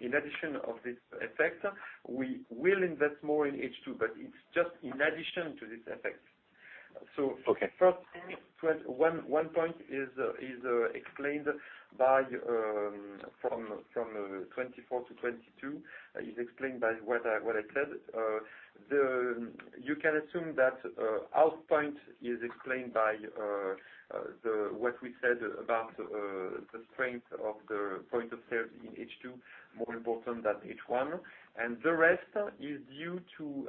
In addition of this effect, we will invest more in H2, but it's just in addition to this effect. Okay One point is explained from 24% to 22%, is explained by what I said. You can assume that half point is explained by what we said about the strength of the point-of-sale in H2, more important than H1. The rest is due to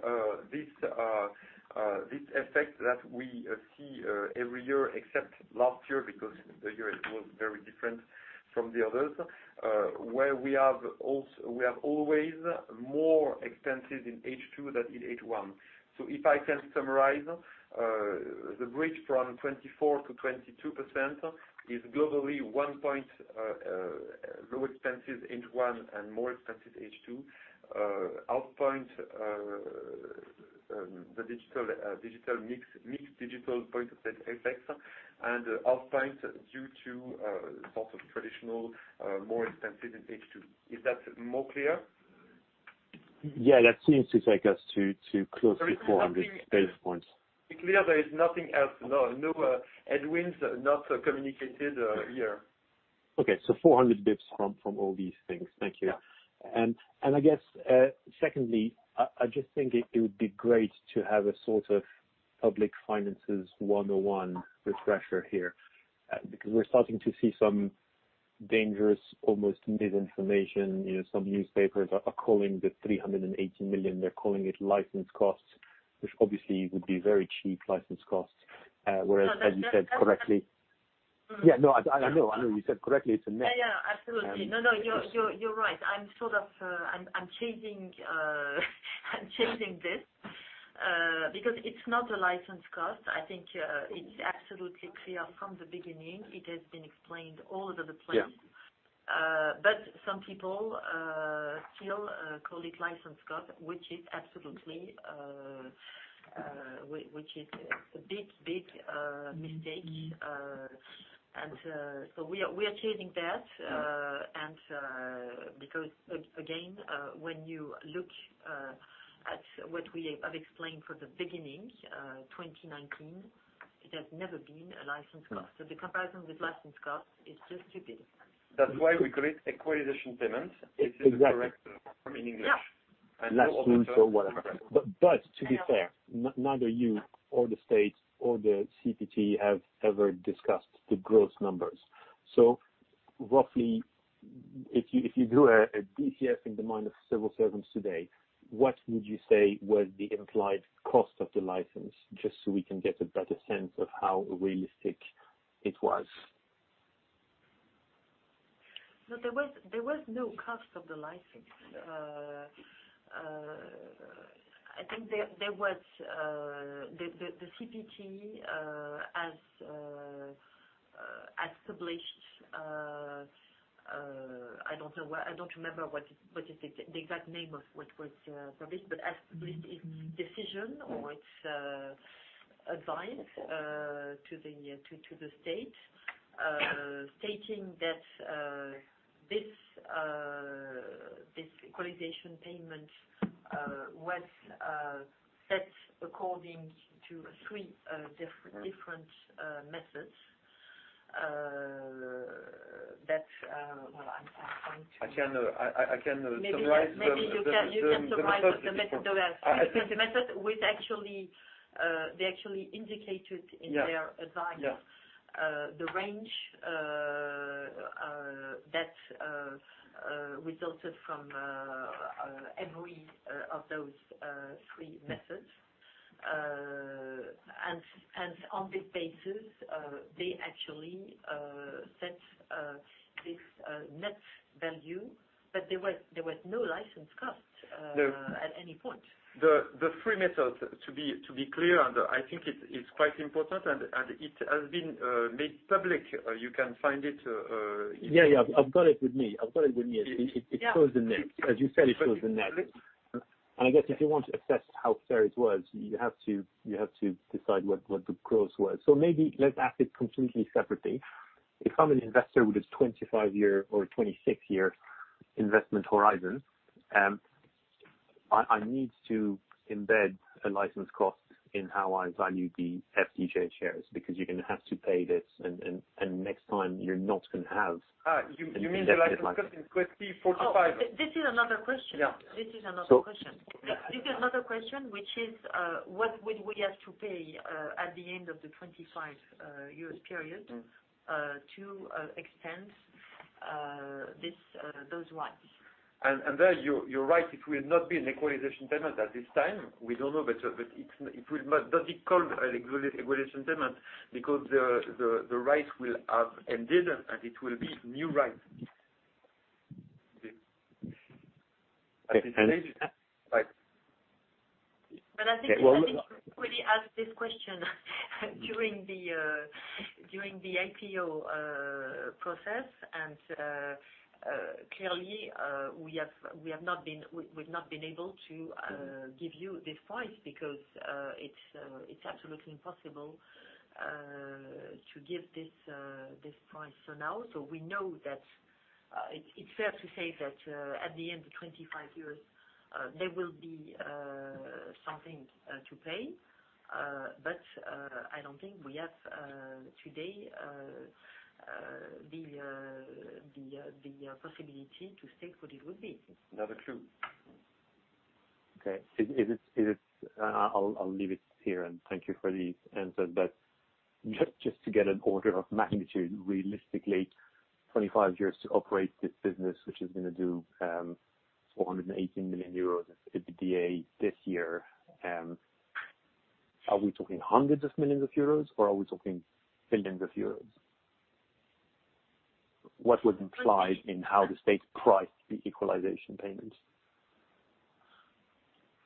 this effect that we see every year, except last year, because the year it was very different from the others, where we have always more expenses in H2 than in H1. If I can summarize, the bridge from 24%-22% is globally one point low expenses H1 and more expenses H2. Half point, the mixed digital point of sale effects, and half point due to sort of traditional, more expensive in H2. Is that more clear? Yeah, that seems to take us to close to 400 basis points. Clear there is nothing else? No headwinds, not communicated here. Okay. 400 basis points from all these things. Thank you. Yeah. I guess, secondly, I just think it would be great to have a sort of public finances 101 refresher here, because we're starting to see some dangerous, almost misinformation. Some newspapers are calling the 380 million, they're calling it license costs, which obviously would be very cheap license costs. As you said correctly. Yeah, no, I know. You said correctly it's a net. Yeah, absolutely. No, you're right. I'm changing this because it's not a license cost. I think it's absolutely clear from the beginning. It has been explained all over the place. Yeah. Some people still call it license cost, which is a big mistake. We are changing that, because again, when you look at what we have explained from the beginning, 2019, it has never been a license cost. The comparison with license cost is just stupid. That's why we call it equalization payment. Exactly. It's the correct term in English. Yeah. License or whatever. To be fair, neither you or the state or the CPT have ever discussed the gross numbers. Roughly, if you do a DCF in the mind of civil servants today, what would you say was the implied cost of the license, just so we can get a better sense of how realistic it was? No, there was no cost of the license. I think there was the CPT as published. I don't remember what is the exact name of what was published, but as published, its decision or its advice to the state, stating that this equalization payment was set according to three different methods. I can summarize the methodology for-. Maybe you can summarize the method they actually indicated in their advice. Yeah. The range that resulted from every of those three methods. On this basis, they actually set this net value, but there was no license cost at any point. The three methods, to be clear, and I think it's quite important, and it has been made public. You can find it. Yeah. I've got it with me. It shows the net. As you said, it shows the net. I guess if you want to assess how fair it was, you have to decide what the gross was. Maybe let's ask it completely separately. If I'm an investor with a 25-year or 26-year investment horizon, I need to embed a license cost in how I value the FDJ shares, because you're going to have to pay this, and next time you're not going to have. You mean the license cost in 2045? This is another question. Yeah. This is another question, which is, what will we have to pay at the end of the 25 years period to extend those rights. There, you're right, it will not be an equalization payment at this time. We don't know, but it doesn't call an equalization payment because the rights will have ended, and it will be new rights. At this stage. Right. I think somebody already asked this question during the IPO process, clearly, we've not been able to give you this price because it's absolutely impossible to give this price for now. We know that it's fair to say that at the end of 25 years, there will be something to pay. I don't think we have today the possibility to state what it would be. Not a clue. Okay. I'll leave it here and thank you for the answer. Just to get an order of magnitude, realistically, 25 years to operate this business, which is going to do 418 million euros of EBITDA this year. Are we talking hundreds of millions of Euros or are we talking billions of Euros? What would imply in how the state priced the equalization payment?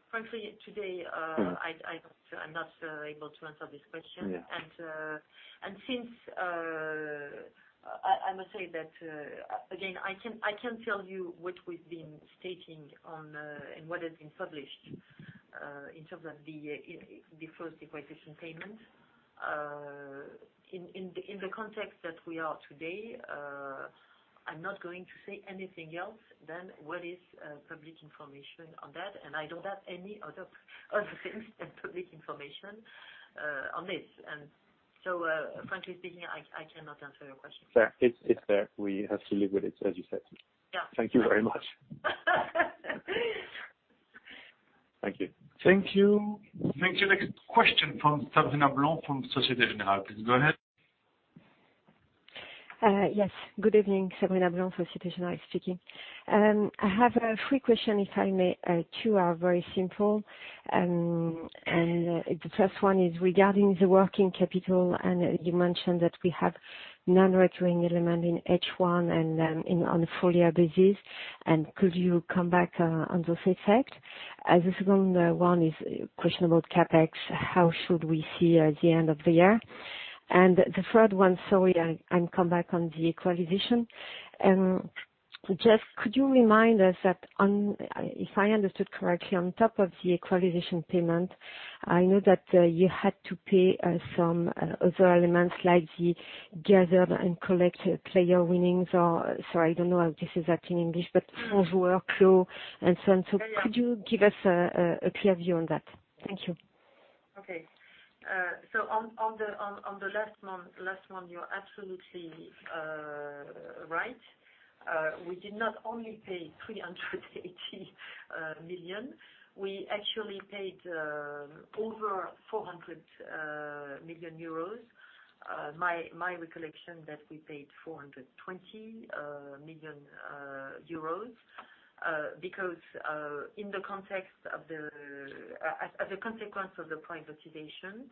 Frankly, today, I'm not able to answer this question. Yeah. I must say that, again, I can tell you what we've been stating and what has been published, in terms of the first equalization payment. In the context that we are today, I'm not going to say anything else than what is public information on that, and I don't have any other things than public information on this. frankly speaking, I cannot answer your question. Fair. It's there. We have to live with it, as you said. Yeah. Thank you very much. Thank you. Thank you. Next question from Sabrina Blanc from Societe Generale. Please go ahead. Yes. Good evening, Sabrina Blanc, Societe Generale speaking. I have three questions, if I may. Two are very simple. The first one is regarding the working capital, and you mentioned that we have non-recurring element in H1 and on a full-year basis. Could you come back on those effects? The second one is a question about CapEx. How should we see at the end of the year? The third one, sorry, I'm come back on the equalization. Just could you remind us that if I understood correctly, on top of the equalization payment, I know that you had to pay some other elements like the gathered and collect player winnings or, sorry, I don't know how this is at in English, but fonds workflow and so on. Could you give us a clear view on that? Thank you. Okay. On the last one, you are absolutely right. We did not only pay 380 million. We actually paid over 400 million euros. My recollection that we paid 420 million euros, because as a consequence of the privatization,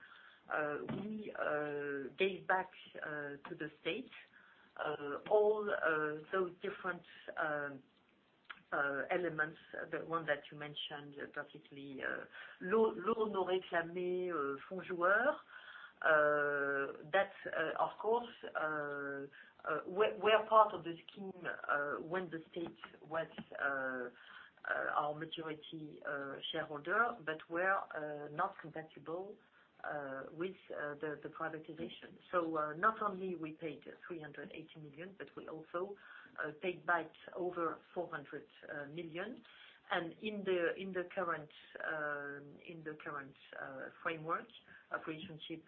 we gave back to the state all those different elements, the one that you mentioned perfectly, lots non réclamés, fonds joueurs. That's, of course, were part of the scheme when the state was our majority shareholder but were not compatible with the privatization. Not only we paid 380 million, but we also paid back over 400 million. In the current framework of relationship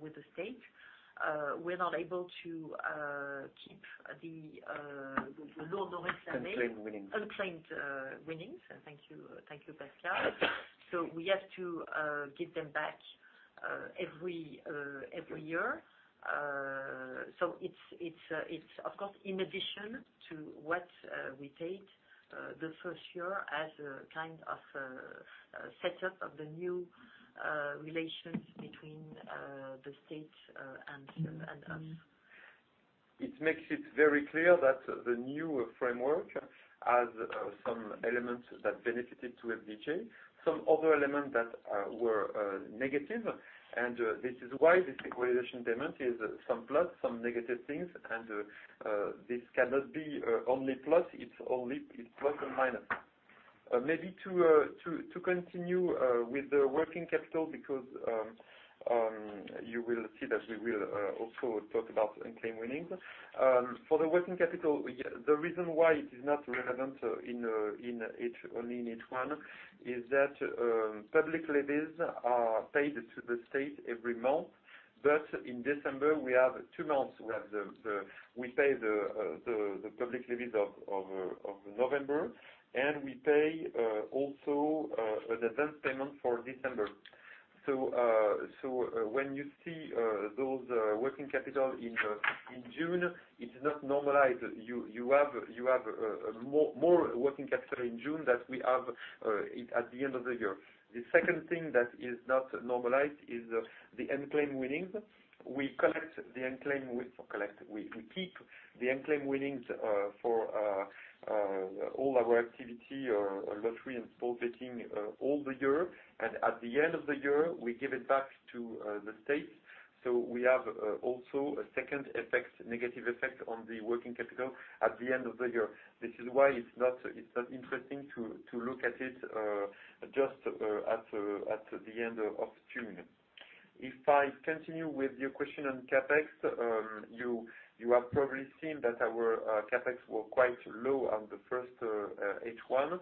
with the state, we're not able to keep the lots non réclamés. Unclaimed winnings unclaimed winnings. Thank you, Pascal. We have to give them back every year. It's, of course, in addition to what we paid the first year as a kind of a setup of the new relations between the state and us. It makes it very clear that the new framework has some elements that benefited to FDJ, some other elements that were negative. This is why this equalization payment is some plus, some negative things. This cannot be only plus. It's plus and minus. Maybe to continue with the working capital because you will see that we will also talk about unclaimed winnings. For the working capital, the reason why it is not relevant only in H1 is that public levies are paid to the state every month. In December we have two months. We pay the public levies of November. We pay also the advance payment for December. When you see those working capital in June, it's not normalized. You have more working capital in June than we have at the end of the year. The second thing that is not normalized is the unclaimed winnings. We keep the unclaimed winnings for all our activity, our lottery and sports betting all the year. At the end of the year, we give it back to the state. We have also a second negative effect on the working capital at the end of the year. This is why it's not interesting to look at it just at the end of June. If I continue with your question on CapEx, you have probably seen that our CapEx were quite low on the first H1.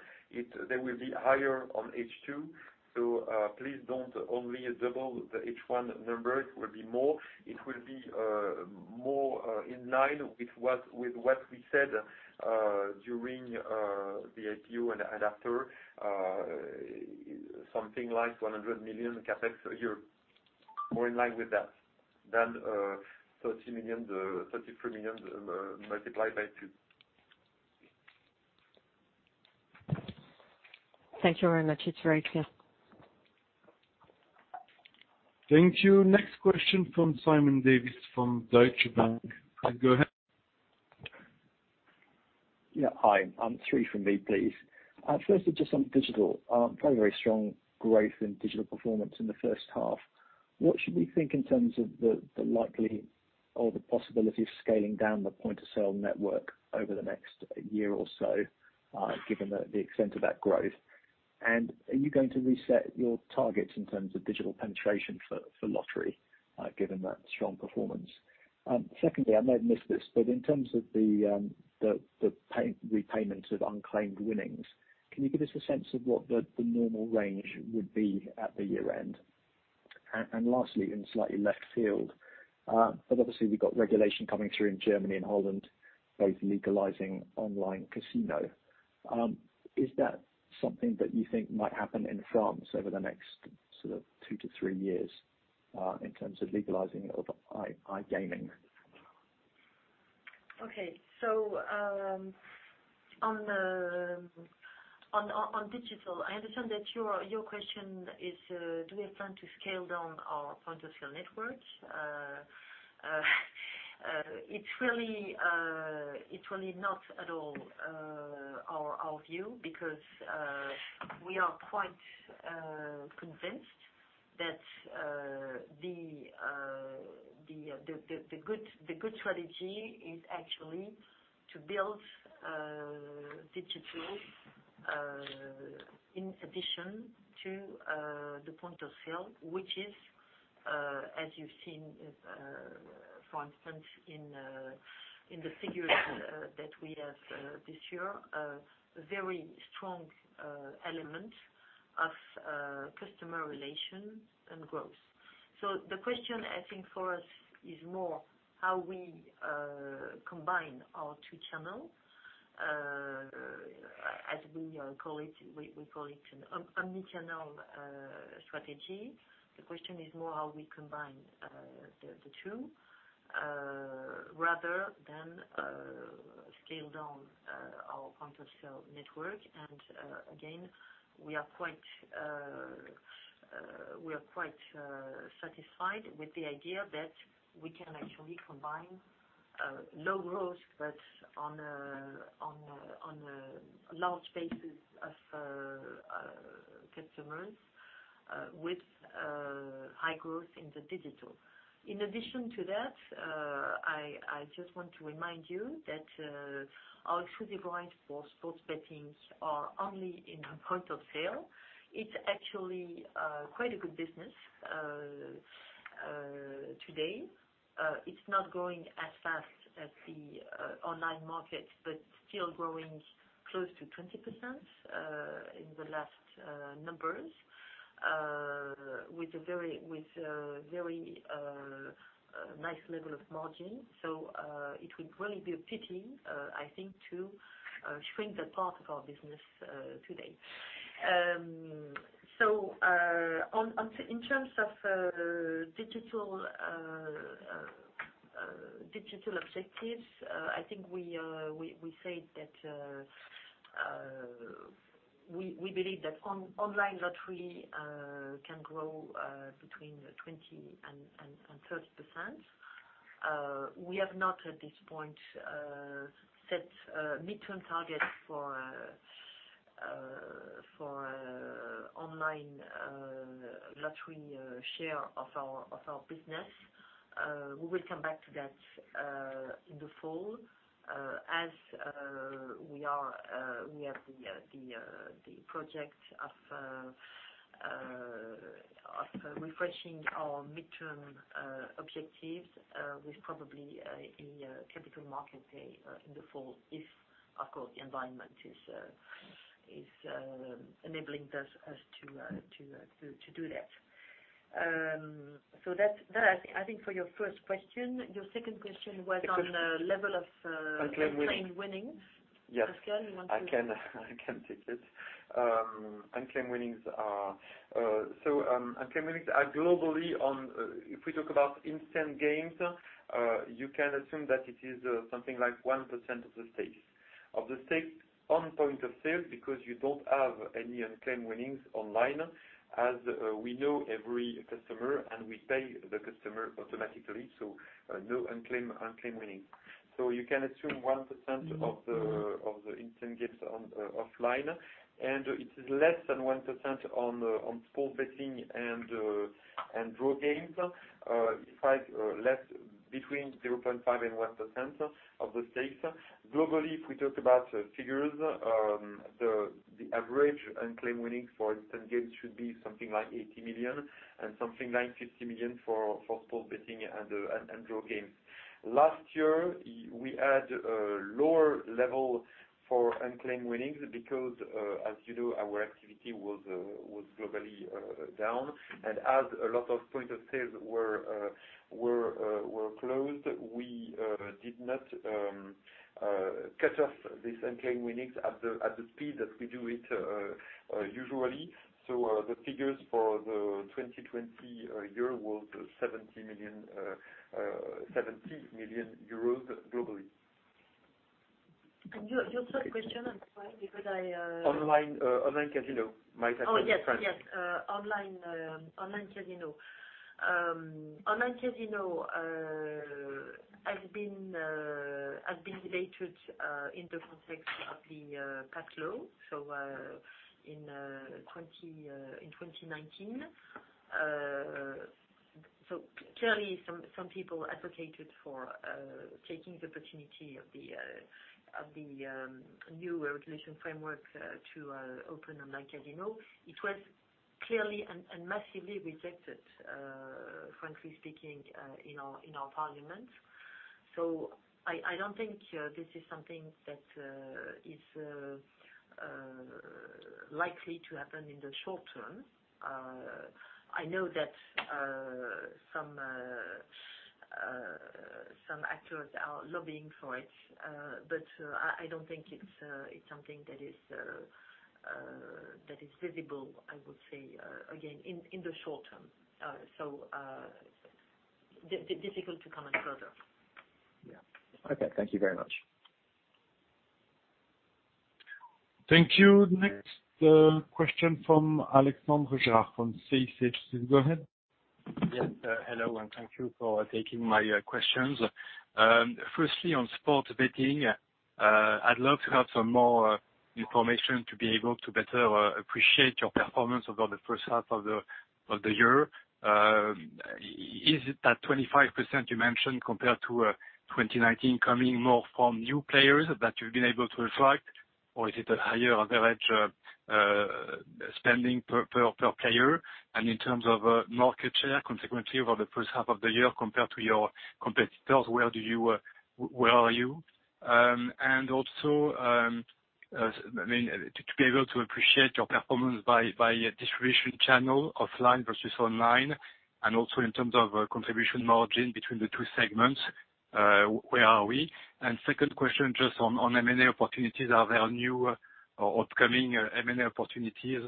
They will be higher on H2. Please don't only double the H1 number. It will be more in line with what we said during the IPO and after, something like 100 million CapEx a year. More in line with that than 33 million multiplied by two. Thank you very much. It's very clear. Thank you. Next question from Simon Davies from Deutsche Bank. Go ahead. Yeah. Hi. Three from me, please. Firstly, just on digital, very, very strong growth in digital performance in the first half. What should we think in terms of the possibility of scaling down the point-of-sale network over the next year or so, given the extent of that growth? Are you going to reset your targets in terms of digital penetration for lottery, given that strong performance? Secondly, I may have missed this, but in terms of the repayment of unclaimed winnings, can you give us a sense of what the normal range would be at the year-end? Lastly, in slightly left field, but obviously we've got regulation coming through in Germany and Holland, both legalizing online casino. Is that something that you think might happen in France over the next 2-3 years, in terms of legalizing of iGaming? Okay. On digital, I understand that your question is, do we plan to scale down our point-of-sale network? It's really not at all our view because we are quite convinced that the good strategy is actually to build digital, in addition to the point-of-sale, which is, as you've seen, for instance, in the figures that we have this year, a very strong element of customer relation and growth. The question I think for us is more how we combine our two channels, as we call it an omni-channel strategy. The question is more how we combine the two, rather than scale down our point-of-sale network. Again, we are quite satisfied with the idea that we can actually combine low growth, but on a large basis of customers with high growth in the digital. In addition to that, I just want to remind you that our exclusive rights for sports betting are only in our point of sale. It's actually quite a good business today. It's not growing as fast as the online market, but still growing close to 20% in the last numbers, with a very nice level of margin. It would really be a pity, I think, to shrink that part of our business today. In terms of digital objectives, I think we said that we believe that online lottery can grow between 20% and 30%. We have not, at this point, set mid-term targets for online lottery share of our business. We will come back to that in the fall, as we have the project of refreshing our midterm objectives, with probably a capital market day in the fall, if, of course, the environment is enabling us to do that. That's I think for your first question. Your second question was on the level of. unclaimed winnings unclaimed winnings. Yes. Pascal, you want to- I can take it. Unclaimed winnings are globally on, if we talk about instant games, you can assume that it is something like 1% of the stakes. Of the stakes on point of sale, because you don't have any unclaimed winnings online, as we know every customer, and we pay the customer automatically, so no unclaimed winnings. You can assume 1% of the instant games offline, and it is less than 1% on sports betting and draw games. In fact, between 0.5%-1% of the stakes. Globally, if we talk about figures, the average unclaimed winnings for instant games should be something like 80 million and something like 50 million for sports betting and draw games. Last year, we had a lower level for unclaimed winnings because, as you know, our activity was globally down. As a lot of point-of-sales were closed, we did not cut off these unclaimed winnings at the speed that we do it usually. The figures for the 2020 year were 70 million globally. Your third question, I'm sorry, because. online casino. Oh, yes. online casino. online casino has been related in the context of the PACTE Law in 2019. Clearly, some people advocated for taking the opportunity of the new regulation framework to open an online casino. It was clearly and massively rejected, frankly speaking, in our parliament. I don't think this is something that is likely to happen in the short-term. I know that some actors are lobbying for it, but I don't think it's something that is visible, I would say, again, in the short-term. Difficult to comment further. Yeah. Okay. Thank you very much. Thank you. Next question from Alexandre Gérard from CIC. Please go ahead. Yes. Hello, and thank you for taking my questions. Firstly, on sports betting, I'd love to have some more information to be able to better appreciate your performance over the first half of the year. Is it that 25% you mentioned compared to 2019 coming more from new players that you've been able to attract, or is it a higher average spending per player? In terms of market share, consequently, over the first half of the year compared to your competitors, where are you? Also, to be able to appreciate your performance by distribution channel, offline versus online, and also in terms of contribution margin between the two segments, where are we? Second question, just on M&A opportunities. Are there new or upcoming M&A opportunities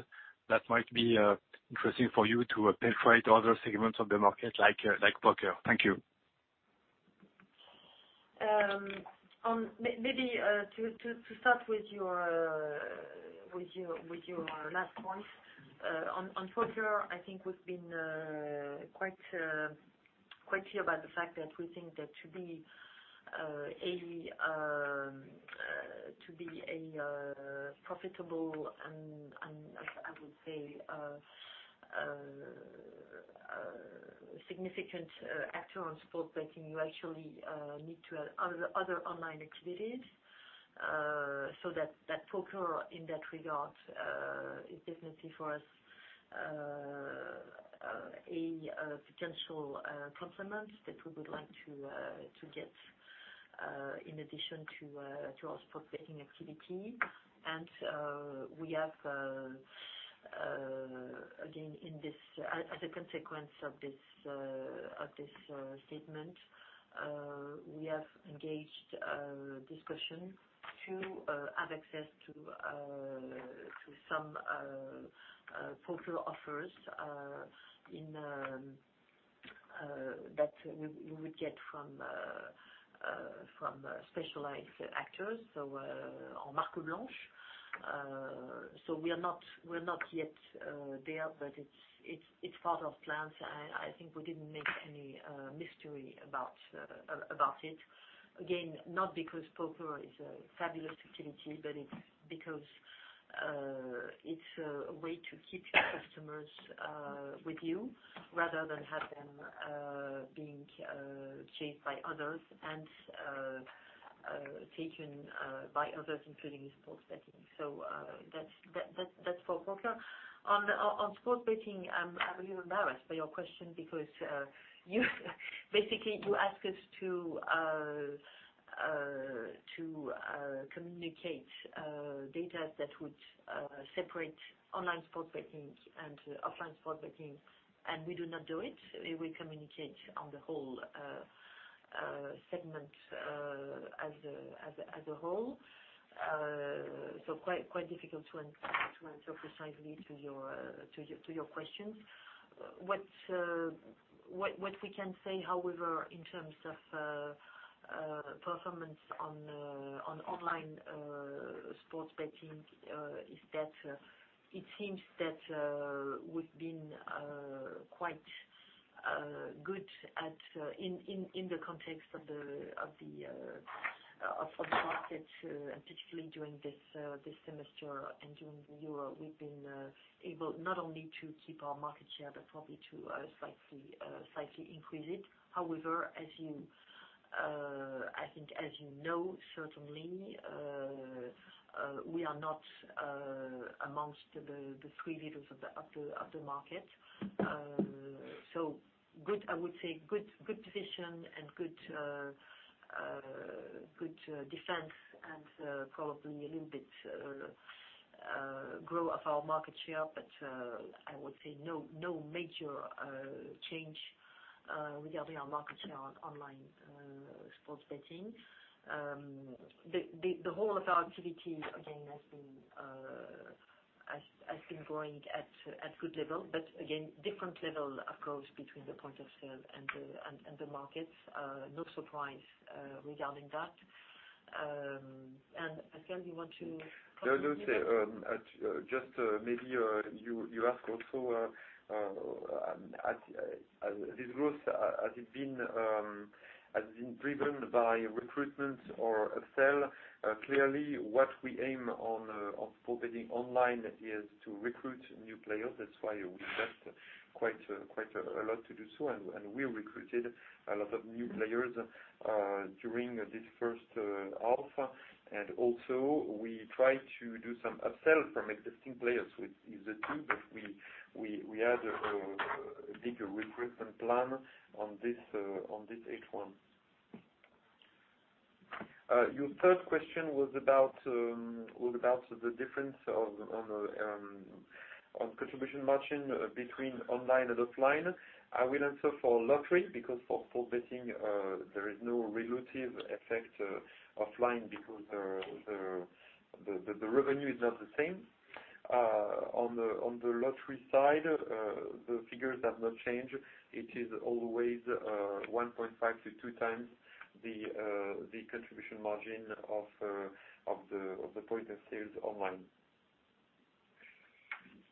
that might be interesting for you to penetrate other segments of the market like poker? Thank you. Maybe to start with your last point. On poker, I think we've been quite clear about the fact that we think that to be a profitable and, I would say, a significant actor on sports betting, you actually need to add other online activities. That poker, in that regard, is definitely for us a potential complement that we would like to get in addition to our sports betting activity. We have, again, as a consequence of this statement, we have engaged a discussion to have access to some poker offers that we would get from specialized actors on marque blanche. We're not yet there, but it's part of plans. I think we didn't make any mystery about it. Not because poker is a fabulous activity, but it's because it's a way to keep your customers with you rather than have them being chased by others and taken by others, including sports betting. That's for poker. On sports betting, I'm a little embarrassed by your question because basically, you ask us to communicate data that would separate online sports betting and offline sports betting, and we do not do it. We communicate on the whole segment as a whole. Quite difficult to answer precisely to your questions. What we can say, however, in terms of performance on online sports betting is that it seems that we've been quite good in the context of the market, and particularly during this semester and during the Euro, we've been able not only to keep our market share, but probably to slightly increase it. However, I think as you know, certainly, we are not amongst the three leaders of the market. I would say good position and good defense and probably a little bit growth of our market share, but I would say no major change regarding our market share on online sports betting. The whole of our activity, again, has been growing at good level, but again, different level of growth between the point of sale and the markets. No surprise regarding that. Pascal, do you want to continue? Yeah, just maybe you ask also, this growth, has it been driven by recruitment or upsell? Clearly, what we aim on sports betting online is to recruit new players. That's why we invest quite a lot to do so, and we recruited a lot of new players during this first half. Also we try to do some upsell from existing players, which is the two that we had a bigger recruitment plan on this H1. Your third question was about the difference on contribution margin between online and offline. I will answer for lottery, because for sports betting, there is no relative effect offline because the revenue is not the same. On the lottery side, the figures have not changed. It is always 1.5x-2 x the contribution margin of the point of sales online.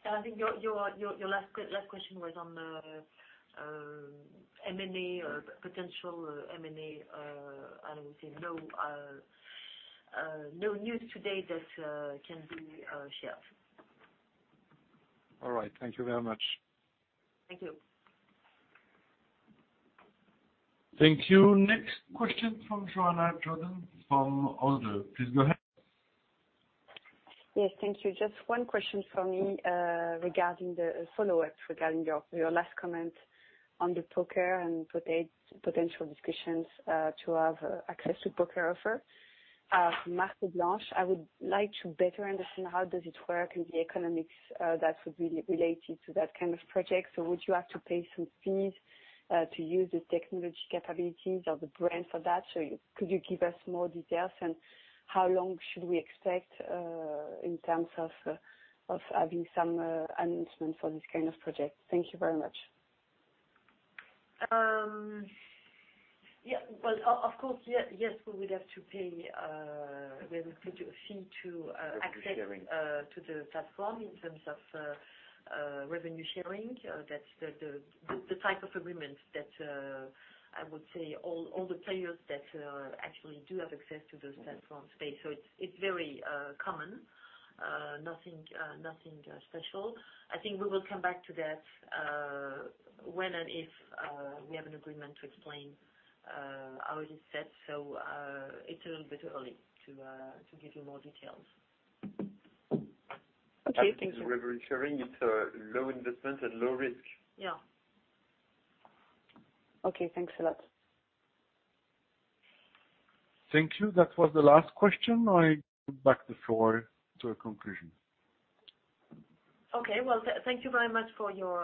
I think your last question was on M&A or potential M&A. I would say no news today that can be shared. All right. Thank you very much. Thank you. Thank you. Next question from Johanna Jourdain from ODDO. Please go ahead. Yes, thank you. Just one question from me regarding the follow-up, regarding your last comment on the poker and potential discussions to have access to poker offer. For marque blanche, I would like to better understand how does it work and the economics that would be related to that kind of project. Would you have to pay some fees to use the technology capabilities or the brand for that? Could you give us more details and how long should we expect in terms of having some announcement for this kind of project? Thank you very much. Well, of course, yes, we would have to pay a fee to access. Revenue sharing to the platform in terms of revenue sharing. That's the type of agreement that I would say all the players that actually do have access to those platforms pay. It's very common. Nothing special. I think we will come back to that when and if we have an agreement to explain how it is set. It's a little bit early to give you more details. Okay. Thank you. Revenue sharing, it's a low investment and low risk. Yeah. Okay. Thanks a lot. Thank you. That was the last question. I give back the floor to a conclusion. Okay. Well, thank you very much for your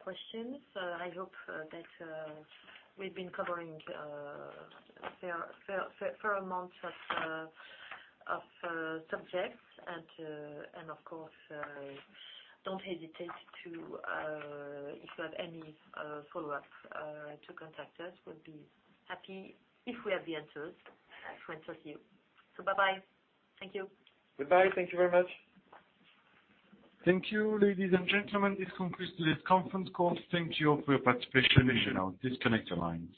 questions. I hope that we've been covering a fair amount of subjects. Of course, don't hesitate, if you have any follow-ups, to contact us. We'll be happy, if we have the answers, to answer you. Bye-bye. Thank you. Goodbye. Thank you very much. Thank you, ladies and gentlemen. This concludes today's conference call. Thank you for your participation. You may now disconnect your lines.